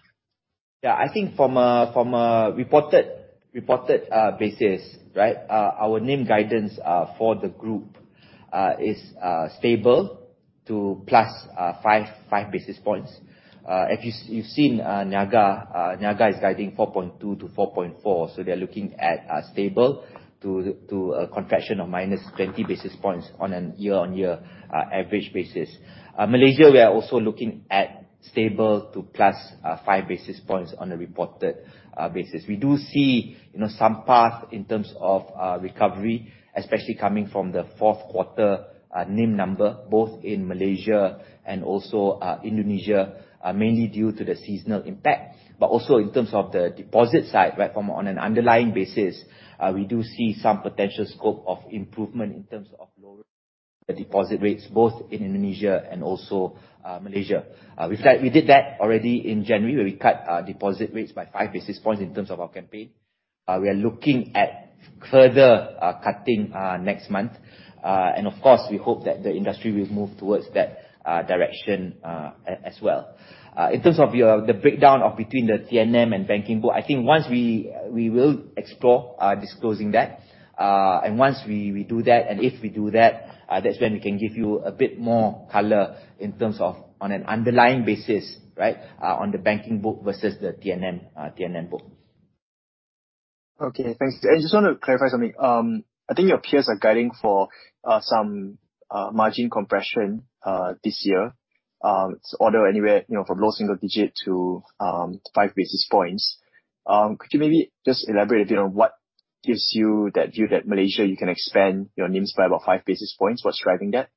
Yeah. I think from a reported basis, our NIM guidance for the group is stable to plus five basis points. If you've seen Niaga is guiding 4.2-4.4, so they're looking at stable to a contraction of minus 20 basis points on a year-on-year average basis. Malaysia, we are also looking at stable to plus five basis points on a reported basis. We do see some path in terms of recovery, especially coming from the fourth quarter NIM number, both in Malaysia and also Indonesia, mainly due to the seasonal impact. Also in terms of the deposit side, from on an underlying basis, we do see some potential scope of improvement in terms of lower deposit rates, both in Indonesia and also Malaysia. We did that already in January, where we cut deposit rates by five basis points in terms of our campaign. We are looking at further cutting next month. Of course, we hope that the industry will move towards that direction as well. In terms of the breakdown between the T&M and banking book, I think once we will explore disclosing that, and once we do that, and if we do that's when we can give you a bit more color in terms of on an underlying basis on the banking book versus the T&M book. Okay, thanks. I just want to clarify something. I think your peers are guiding for some margin compression this year. It's order anywhere, from low single digit to five basis points. Could you maybe just elaborate a bit on what gives you that view that Malaysia, you can expand your NIMs by about five basis points? What's driving that?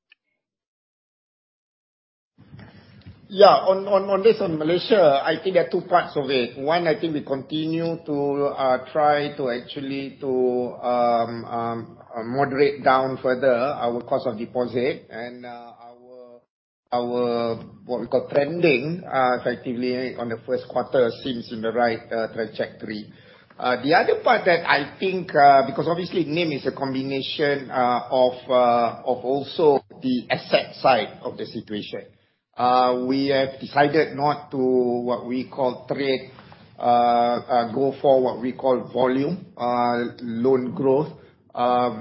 On this, on Malaysia, I think there are two parts of it. One, I think we continue to try to actually moderate down further our cost of deposit and our, what we call trending, effectively, on the first quarter seems in the right trajectory. The other part that I think, because obviously NIM is a combination of also the asset side of the situation. We have decided not to, what we call trade, go for what we call volume, loan growth,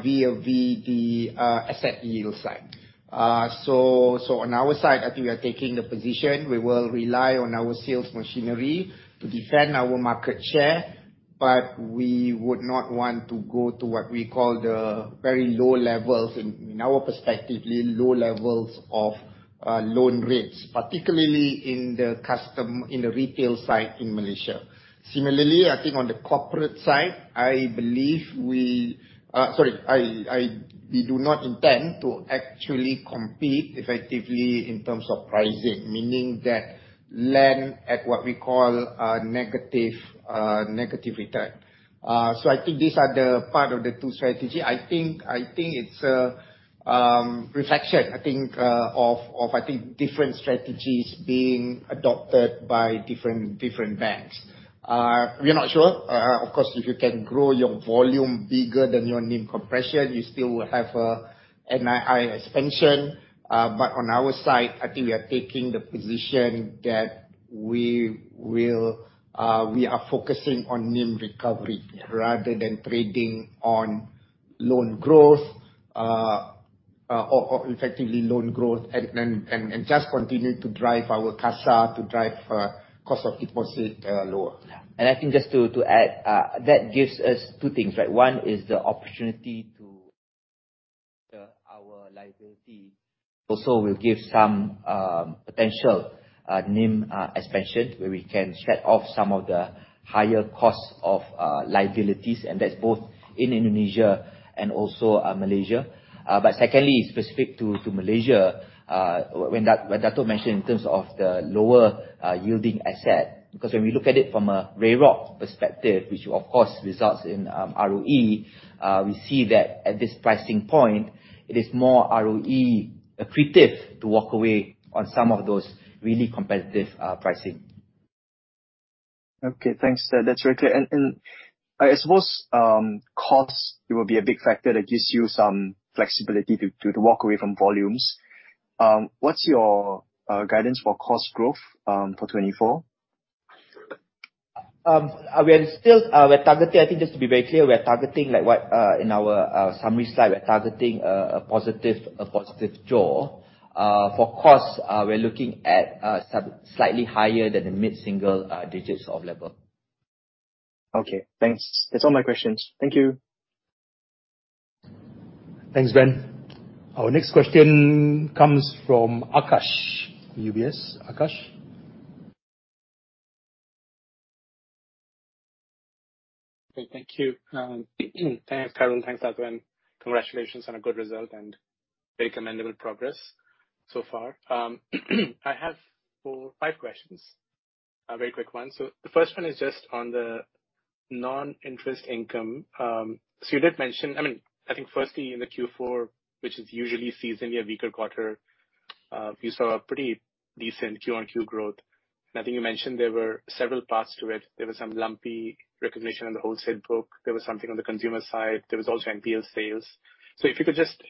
vis-a-vis the asset yield side. On our side, I think we are taking the position, we will rely on our sales machinery to defend our market share, but we would not want to go to what we call the very low levels, in our perspective, low levels of loan rates, particularly in the retail side in Malaysia. Similarly, I think on the corporate side, we do not intend to actually compete effectively in terms of pricing, meaning that lend at what we call a negative return. I think these are the part of the two strategy. I think it's a reflection of different strategies being adopted by different banks. We're not sure. Of course, if you can grow your volume bigger than your NIM compression, you still will have a NII expansion. On our side, I think we are taking the position that we are focusing on NIM recovery rather than trading on loan growth, or effectively loan growth, and just continue to drive our CASA to drive cost of deposit lower. I think just to add, that gives us two things, right? One is the opportunity to our liability also will give some potential NIM expansion, where we can set off some of the higher costs of liabilities, and that's both in Indonesia and also Malaysia. Secondly, specific to Malaysia, when Dato' mentioned in terms of the lower yielding asset, because when we look at it from a real RAROC perspective, which of course results in ROE, we see that at this pricing point, it is more ROE accretive to walk away on some of those really competitive pricing. Okay, thanks. That's very clear. I suppose, costs, it will be a big factor that gives you some flexibility to walk away from volumes. What's your guidance for cost growth, for 2024? Just to be very clear, in our summary slide, we're targeting a positive jaws. For costs, we're looking at slightly higher than the mid-single digits of level. Okay, thanks. That's all my questions. Thank you. Thanks, Ben. Our next question comes from Akash, UBS. Akash? Great. Thank you. Thanks, Karen. Thanks, Dato. Congratulations on a good result, and very commendable progress so far. I have four, five questions, very quick ones. The first one is just on the non-interest income. You did mention, I think firstly, in the Q4, which is usually seasonally a weaker quarter, you saw a pretty decent Q on Q growth. I think you mentioned there were several parts to it. There was some lumpy recognition on the wholesale book. There was something on the consumer side. There was also NPL sales. If you could just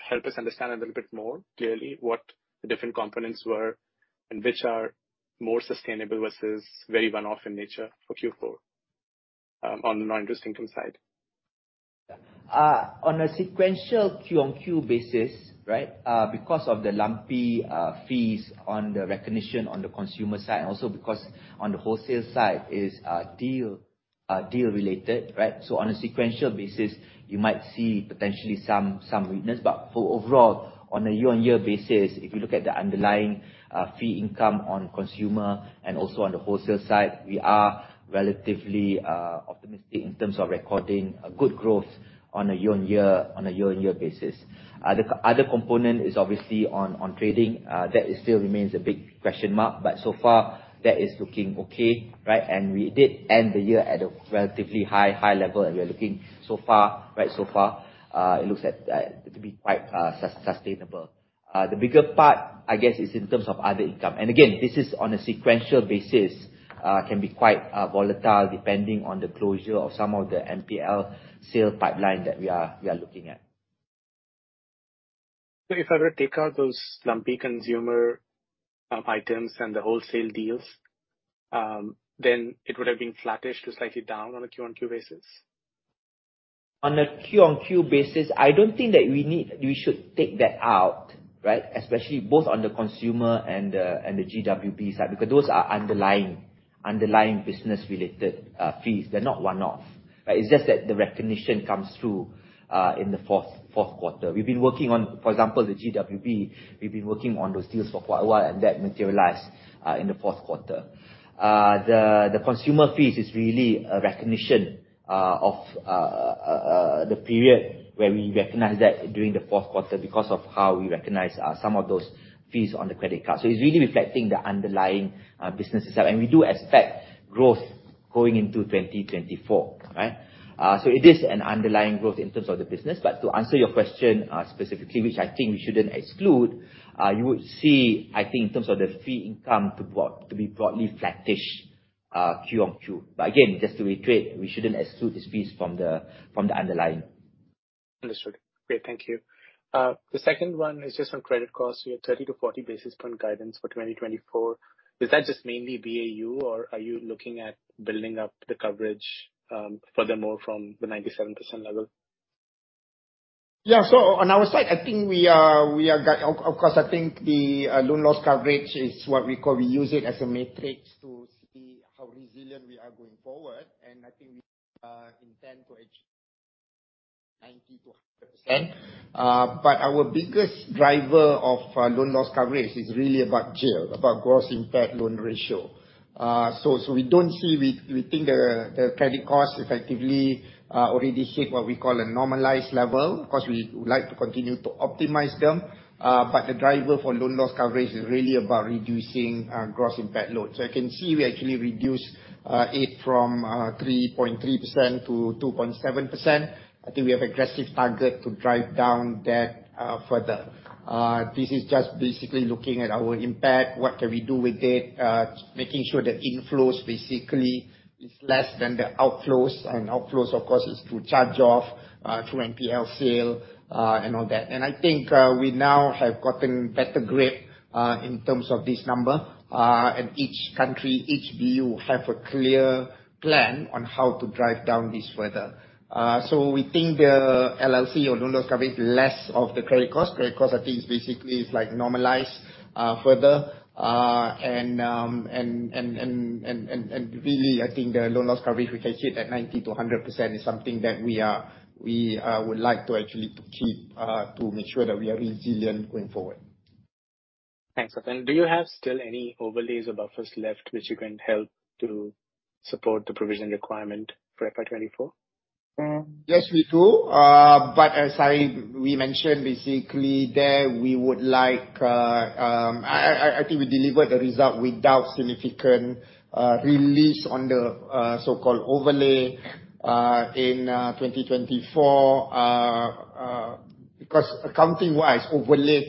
help us understand a little bit more clearly what the different components were, and which are more sustainable versus very one-off in nature for Q4, on the non-interest income side. On a sequential Q on Q basis, because of the lumpy fees on the recognition on the consumer side, and also because on the wholesale side is deal-related. On a sequential basis, you might see potentially some weakness. For overall, on a year-on-year basis, if you look at the underlying fee income on consumer and also on the wholesale side, we are relatively optimistic in terms of recording a good growth on a year-on-year basis. The other component is obviously on trading. That still remains a big question mark, but so far that is looking okay. We did end the year at a relatively high level, and we are looking so far, it looks to be quite sustainable. The bigger part, I guess, is in terms of other income. Again, this is on a sequential basis, can be quite volatile, depending on the closure of some of the NPL sale pipeline that we are looking at. If I were to take out those lumpy consumer items and the wholesale deals, then it would have been flattish to slightly down on a Q on Q basis? On a Q on Q basis, I don't think that we should take that out, right? Especially both on the consumer and the GWB side, because those are underlying business-related fees. They're not one-off, right? It's just that the recognition comes through in the fourth quarter. We've been working on, for example, the GWB, we've been working on those deals for quite a while, and that materialized in the fourth quarter. The consumer fees is really a recognition of the period where we recognize that during the fourth quarter because of how we recognize some of those fees on the credit card. It's really reflecting the underlying business itself. We do expect growth going into 2024, right? It is an underlying growth in terms of the business. To answer your question, specifically, which I think we shouldn't exclude, you would see, I think, in terms of the fee income to be broadly flattish Q on Q. Again, just to reiterate, we shouldn't exclude this fees from the underlying. Understood. Great. Thank you. The second one is just on credit costs. You have 30 to 40 basis point guidance for 2024. Is that just mainly BAU, or are you looking at building up the coverage, furthermore, from the 97% level? On our side, of course, I think the Loan Loss Coverage is what we call, we use it as a matrix to see how resilient we are going forward. I think we intend to achieve 90% to 100%. Our biggest driver of Loan Loss Coverage is really about GIL, about gross impaired loan ratio. We think the credit costs effectively already hit what we call a normalized level. Of course, we would like to continue to optimize them, but the driver for Loan Loss Coverage is really about reducing gross impaired loans. You can see we actually reduced it from 3.3% to 2.7%. I think we have aggressive target to drive down that further. This is just basically looking at our impaired, what can we do with it, making sure that inflows basically is less than the outflows. Outflows, of course, is to charge off through NPL sale, and all that. I think we now have gotten better grip in terms of this number. Each country, each BU have a clear plan on how to drive down this further. We think the LLC or Loan Loss Coverage, less of the credit cost. Credit cost, I think basically is normalized further. Really, I think the Loan Loss Coverage, we can hit at 90% to 100% is something that we would like to actually keep, to make sure that we are resilient going forward. Thanks, Sat. Do you have still any overlays or buffers left which you can help to support the provision requirement for FY 2024? Yes, we do. As we mentioned, basically, I think we delivered the result without significant release on the so-called overlay, in 2024. Accounting-wise, overlay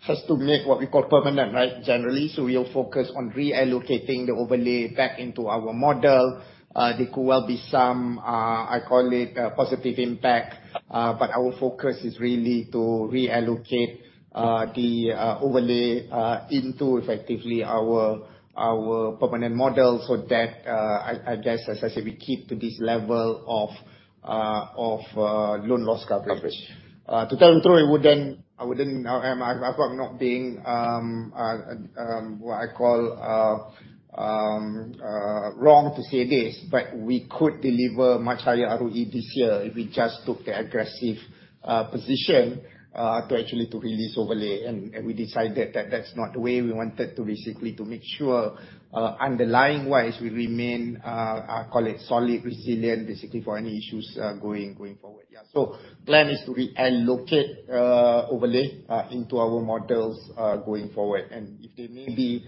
has to make, what we call, permanent, right? Generally, we'll focus on reallocating the overlay back into our model. There could well be some, I call it, positive impact. Our focus is really to reallocate the overlay into effectively our permanent model for that. I guess, as I said, we keep to this level of loan loss coverage. To tell you the truth, I feel I'm not being what I call, wrong to say this, but we could deliver much higher ROE this year if we just took the aggressive position to actually to release overlay. We decided that that's not the way we wanted to basically to make sure, underlying-wise, we remain, I call it, solid, resilient, basically for any issues going forward. Yeah. The plan is to reallocate overlay into our models going forward. If there may be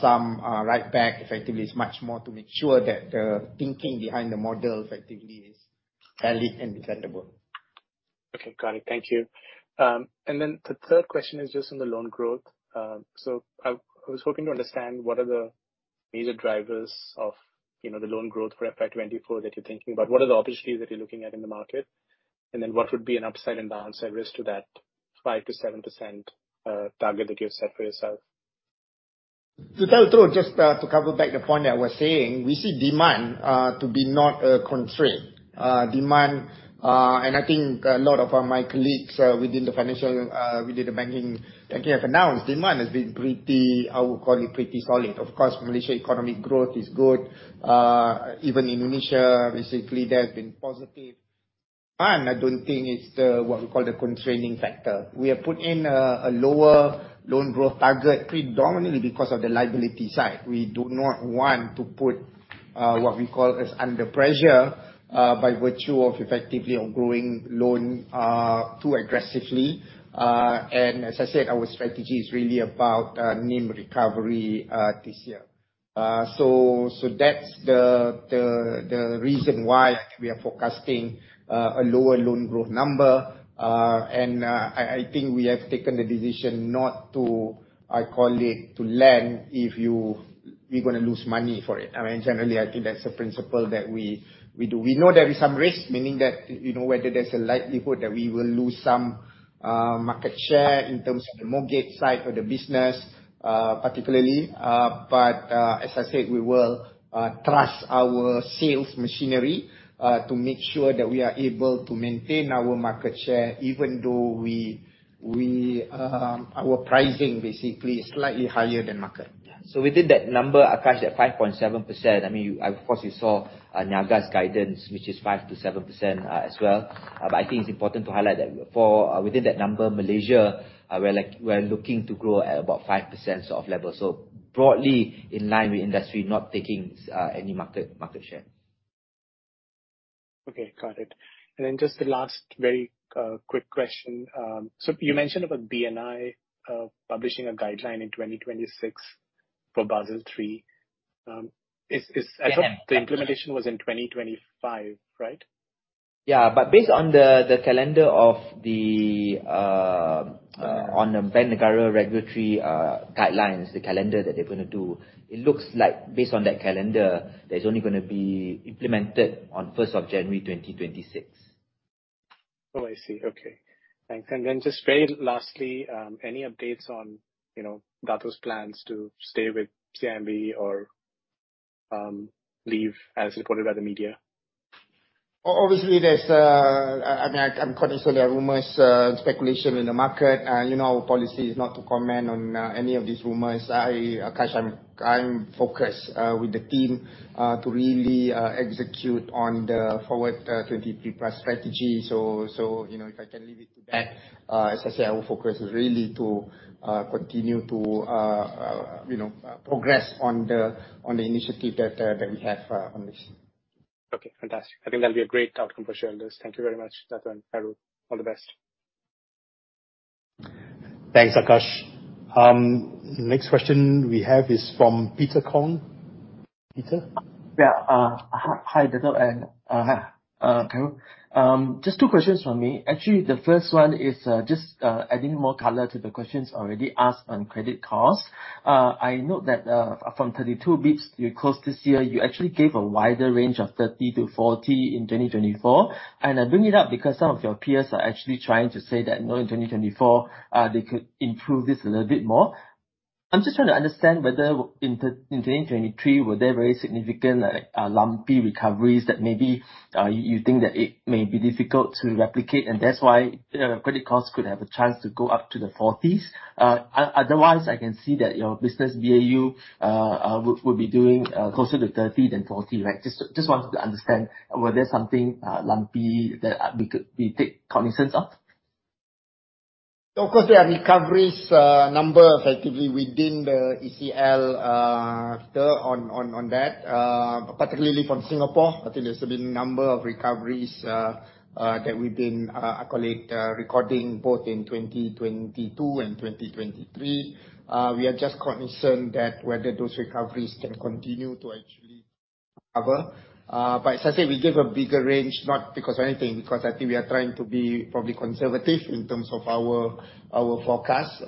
some writeback, effectively it's much more to make sure that the thinking behind the model effectively is valid and defendable. Okay. Got it. Thank you. The third question is just on the loan growth. I was hoping to understand what are the major drivers of the loan growth for FY 2024 that you're thinking about? What are the opportunities that you're looking at in the market? What would be an upside and downside risk to that 5%-7% target that you've set for yourself? To tell the truth, just to cover back the point I was saying, we see demand to be not a constraint. I think a lot of my colleagues within the banking have announced demand has been, I would call it, pretty solid. Of course, Malaysia economic growth is good. Even Indonesia, basically, there has been positive. I don't think it's what we call the constraining factor. We have put in a lower loan growth target predominantly because of the liability side. We do not want to put what we call is under pressure, by virtue of effectively on growing loan too aggressively. As I said, our strategy is really about NIM recovery this year. That's the reason why we are forecasting a lower loan growth number. I think we have taken the decision not to, I call it, to lend if we're going to lose money for it. Generally, I think that's the principle that we do. We know there is some risk, meaning that, whether there's a likelihood that we will lose some market share in terms of the mortgage side of the business, particularly. As I said, we will trust our sales machinery, to make sure that we are able to maintain our market share, even though our pricing basically is slightly higher than market. Yeah. Within that number, Akash, that 5.7%, of course, you saw Niaga's guidance, which is 5%-7% as well. I think it's important to highlight that within that number, Malaysia, we're looking to grow at about 5% sort of level. Broadly, in line with industry, not taking any market share. Okay. Got it. Just the last very quick question. You mentioned about BNM publishing a guideline in 2026 for Basel III. I thought the implementation was in 2025, right? Yeah, based on the calendar of the Bank Negara regulatory guidelines, the calendar that they're going to do, it looks like based on that calendar, that it's only going to be implemented on 1st of January 2026. Oh, I see. Okay. Thanks. Just very lastly, any updates on Dato's plans to stay with CIMB or leave as reported by the media? Obviously, I'm conscious there are rumors, speculation in the market. You know our policy is not to comment on any of these rumors. Akash, I'm focused with the team, to really execute on the Forward23+ strategy. If I can leave it to that, as I said, I will focus really to continue to progress on the initiative that we have on this. Okay, fantastic. I think that'll be a great outcome for shareholders. Thank you very much, Dato' and Khairul. All the best. Thanks, Akash. Next question we have is from Peter Kong. Peter? Yeah. Hi, Dato' and Khairul Rifaie. Just two questions from me. Actually, the first one is just adding more color to the questions already asked on credit costs. I note that, from 32 basis points you closed this year, you actually gave a wider range of 30%-40% in 2024. I bring it up because some of your peers are actually trying to say that now in 2024, they could improve this a little bit more. I'm just trying to understand whether in 2023, were there very significant lumpy recoveries that maybe you think that it may be difficult to replicate, and that's why credit costs could have a chance to go up to the 40s. Otherwise, I can see that your business BAU, will be doing closer to 30% than 40%, right? Just wanted to understand, were there something lumpy that we take cognizance of? Of course, there are recoveries, number effectively within the ECL, Peter, on that, particularly from Singapore. I think there's been a number of recoveries that we've been, I call it, recording, both in 2022 and 2023. We are just cognizant that whether those recoveries can continue to actually recover. As I said, we give a bigger range not because of anything, because I think we are trying to be probably conservative in terms of our forecast.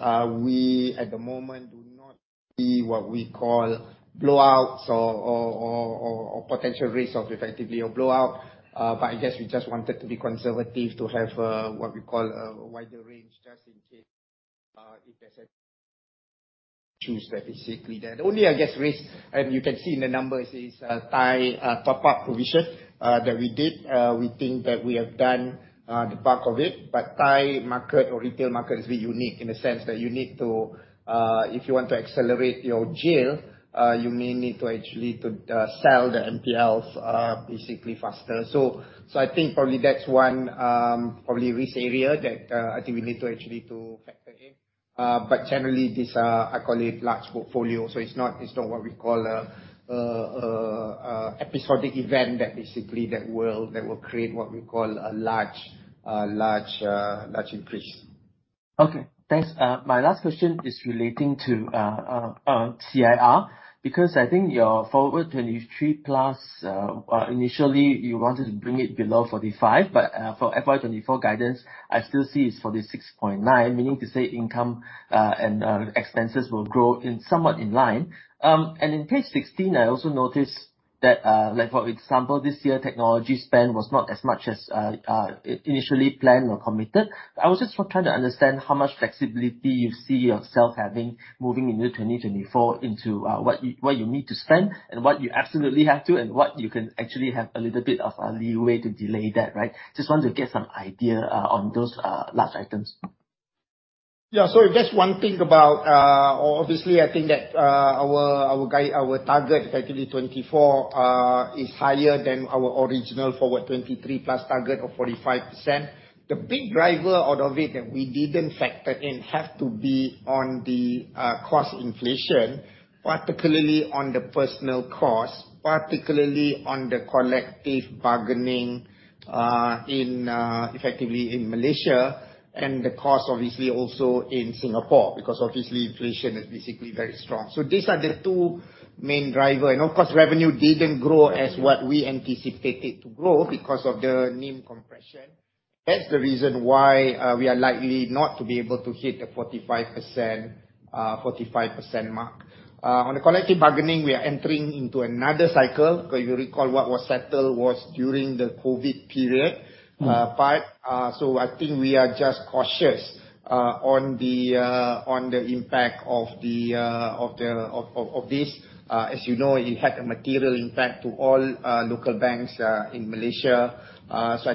We, at the moment, do not see what we call blowouts or potential risk of effectively a blowout. I guess we just wanted to be conservative to have, what we call, a wider range just in case, if there's any issue specifically there. The only, I guess, risk, and you can see in the numbers, is Thai top-up provision that we did. We think that we have done the bulk of it. Thai market or retail market is a bit unique in the sense that if you want to accelerate your GIL, you may need to actually to sell the NPLs basically faster. I think probably that's one, probably risk area that I think we need to actually to factor in. Generally, this, I call it large portfolio, so it's not what we call, episodic event that basically that will create what we call a large increase. Okay. Thanks. My last question is relating to CIR, because I think your Forward23+, initially, you wanted to bring it below 45, but, for FY 2024 guidance, I still see it's 46.9, meaning to say income and expenses will grow somewhat in line. On page 16, I also noticed that, like for example, this year, technology spend was not as much as initially planned or committed. I was just trying to understand how much flexibility you see yourself having moving into 2024 into what you need to spend and what you absolutely have to, and what you can actually have a little bit of a leeway to delay that, right? I want to get some idea on those last items. Yeah. Just one thing about, obviously, I think that our target effectively 2024, is higher than our original Forward23+ target of 45%. The big driver out of it that we didn't factor in have to be on the cost inflation, particularly on the personal cost, particularly on the collective bargaining, effectively in Malaysia and the cost obviously also in Singapore, because obviously inflation is basically very strong. These are the two main driver. Of course, revenue didn't grow as what we anticipated to grow because of the NIM compression. That's the reason why we are likely not to be able to hit the 45% mark. On the collective bargaining, we are entering into another cycle, because you recall what was settled was during the COVID period. I think we are just cautious on the impact of this. As you know, it had a material impact to all local banks in Malaysia. That,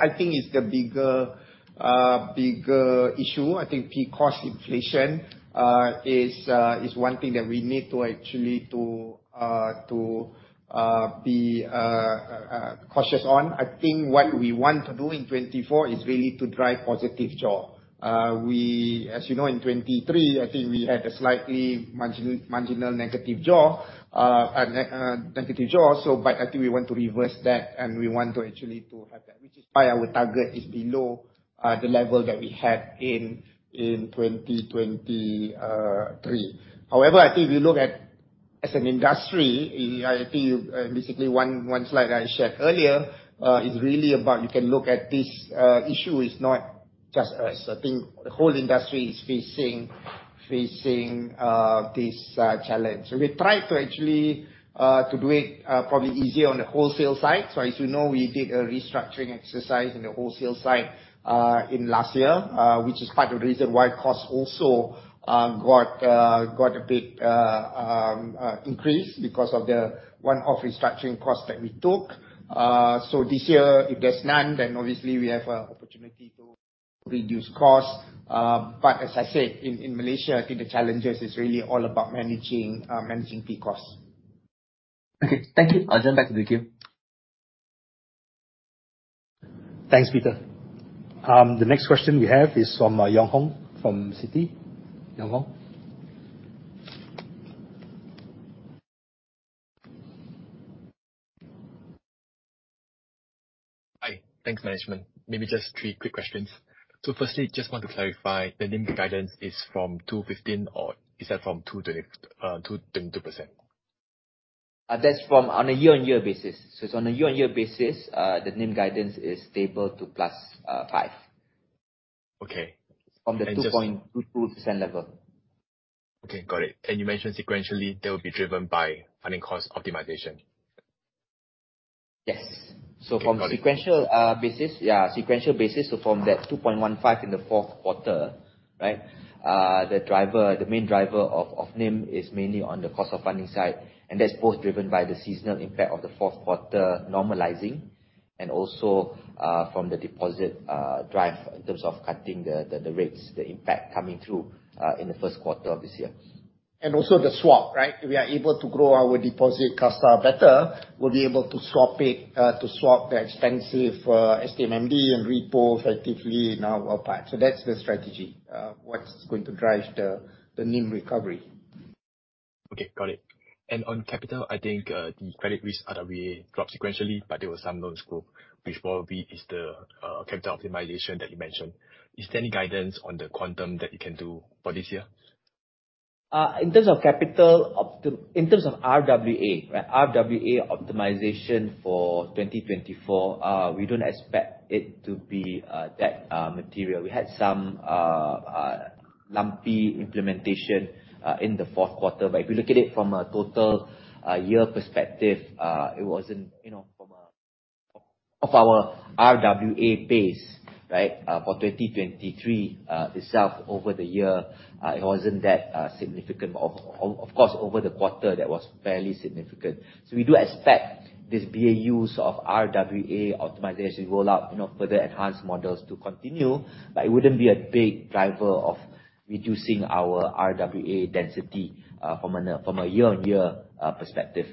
I think, is the bigger issue. I think peak cost inflation is one thing that we need to actually be cautious on. I think what we want to do in 2024 is really to drive positive jaws. As you know, in 2023, I think we had a slightly marginal negative jaws. I think we want to reverse that, and we want to actually to have that, which is why our target is below the level that we had in 2023. I think if you look at as an industry, I think, basically, one slide that I shared earlier, is really about you can look at this issue is not just us. I think the whole industry is facing this challenge. We try to actually to do it probably easier on the wholesale side. As you know, we did a restructuring exercise in the wholesale side in last year, which is part of the reason why costs also got a big increase because of the one-off restructuring cost that we took. This year, if there's none, then obviously we have a opportunity to reduce cost. As I said, in Malaysia, I think the challenges is really all about managing peak costs. Okay. Thank you. I'll send back to the queue. Thanks, Peter. The next question we have is from Yong Hong from Citi. Yong Hong? Hi. Thanks, management. Maybe just three quick questions. Firstly, just want to clarify, the NIM guidance is from 2.15%, or is that from 2.22%? That's from on a year-on-year basis. It's on a year-on-year basis, the NIM guidance is stable to plus five. Okay. From the 2.22% level. Okay, got it. You mentioned sequentially, that will be driven by funding cost optimization. Yes. Okay, got it. From sequential basis, so from that 2.15 in the fourth quarter, right? The main driver of NIM is mainly on the cost of funding side, and that's both driven by the seasonal impact of the fourth quarter normalizing and also, from the deposit drive in terms of cutting the rates, the impact coming through in the first quarter of this year. the swap, right? If we are able to grow our deposit cost better, we'll be able to swap the expensive SDMMD and repo effectively in our part. That's the strategy, what's going to drive the NIM recovery. Okay, got it. On capital, I think, the credit risks RWA dropped sequentially, but there was some loan scope, which probably is the capital optimization that you mentioned. Is there any guidance on the quantum that you can do for this year? In terms of capital, in terms of RWA, right? RWA optimization for 2024, we don't expect it to be that material. We had some lumpy implementation in the fourth quarter. If you look at it from a total year perspective, from our RWA base for 2023 itself over the year, it wasn't that significant. Of course, over the quarter, that was fairly significant. We do expect this BAUs of RWA optimization rollout, further enhanced models to continue, but it wouldn't be a big driver of reducing our RWA density from a year-on-year perspective.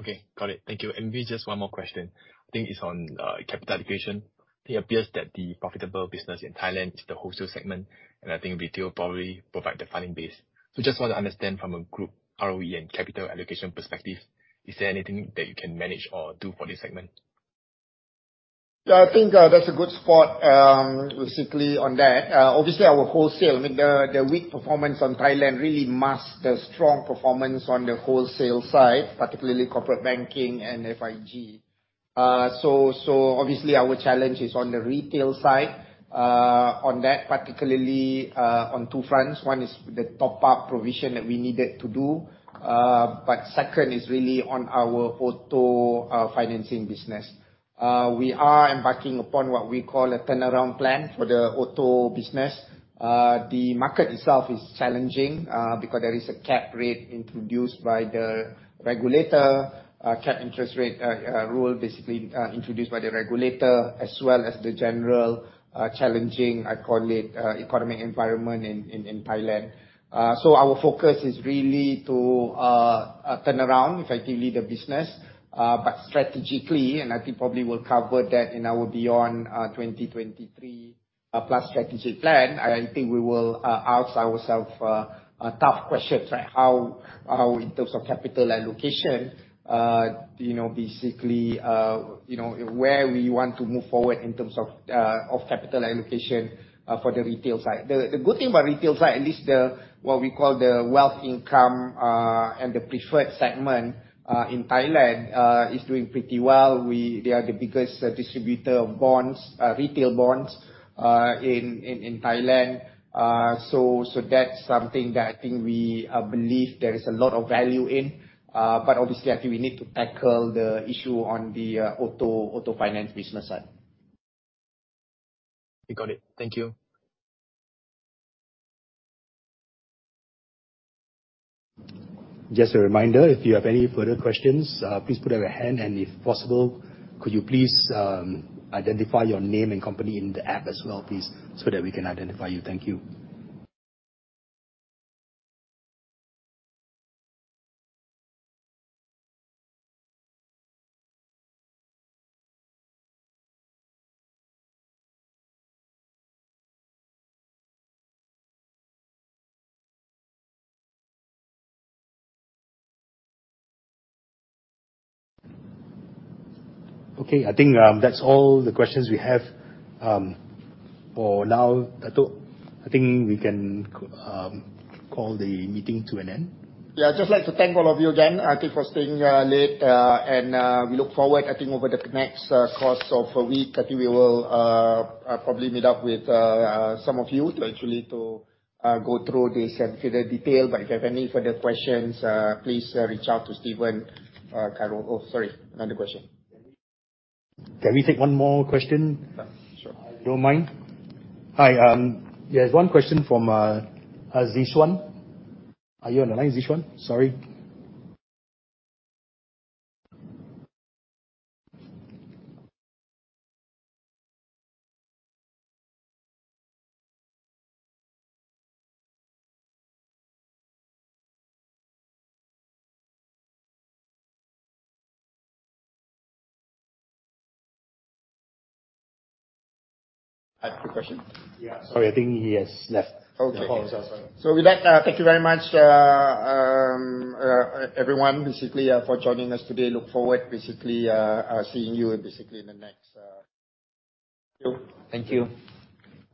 Okay. Got it. Thank you. Maybe just one more question. I think it's on capital allocation. It appears that the profitable business in Thailand is the wholesale segment, and I think retail probably provide the funding base. Just want to understand from a group ROE and capital allocation perspective, is there anything that you can manage or do for this segment? Yeah, I think that's a good spot, specifically on that. Obviously, our wholesale, I mean, the weak performance on Thailand really masks the strong performance on the wholesale side, particularly corporate banking and FIG. Obviously, our challenge is on the retail side, on that, particularly, on two fronts. One is the top-up provision that we needed to do. Second is really on our auto financing business. We are embarking upon what we call a turnaround plan for the auto business. The market itself is challenging, because there is a cap rate introduced by the regulator, cap interest rate rule, basically, introduced by the regulator, as well as the general challenging, I call it, economic environment in Thailand. Our focus is really to turnaround, effectively, the business. Strategically, and I think probably we'll cover that in our beyond 2023 plus strategic plan, I think we will ask ourselves tough questions, right? How, in terms of capital allocation, we want to move forward in terms of capital allocation for the retail side. The good thing about retail side, at least what we call the wealth income, and the preferred segment in Thailand, is doing pretty well. They are the biggest distributor of retail bonds in Thailand. That's something that I think we believe there is a lot of value in. Obviously, I think we need to tackle the issue on the auto finance business side. We got it. Thank you. Just a reminder, if you have any further questions, please put up a hand, and if possible, could you please identify your name and company in the app as well, please, so that we can identify you. Thank you. I think that's all the questions we have for now, Dato'. I think we can call the meeting to an end. Yeah, I'd just like to thank all of you again, I think, for staying late, and we look forward, I think, over the next course of a week, I think we will probably meet up with some of you to actually go through this in further detail. If you have any further questions, please reach out to Steven, Carol. Sorry, another question. Can we take one more question? Yeah, sure. You don't mind? Hi, there's one question from Zixuan. Are you on the line, Zixuan? Sorry. Quick question. Yeah. Sorry, I think he has left the call. Oh, okay. With that, thank you very much, everyone, basically for joining us today. Look forward, basically, seeing you basically in the next- Thank you.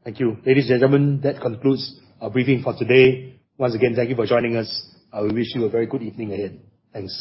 Thank you. Ladies and gentlemen, that concludes our briefing for today. Once again, thank you for joining us. We wish you a very good evening ahead. Thanks.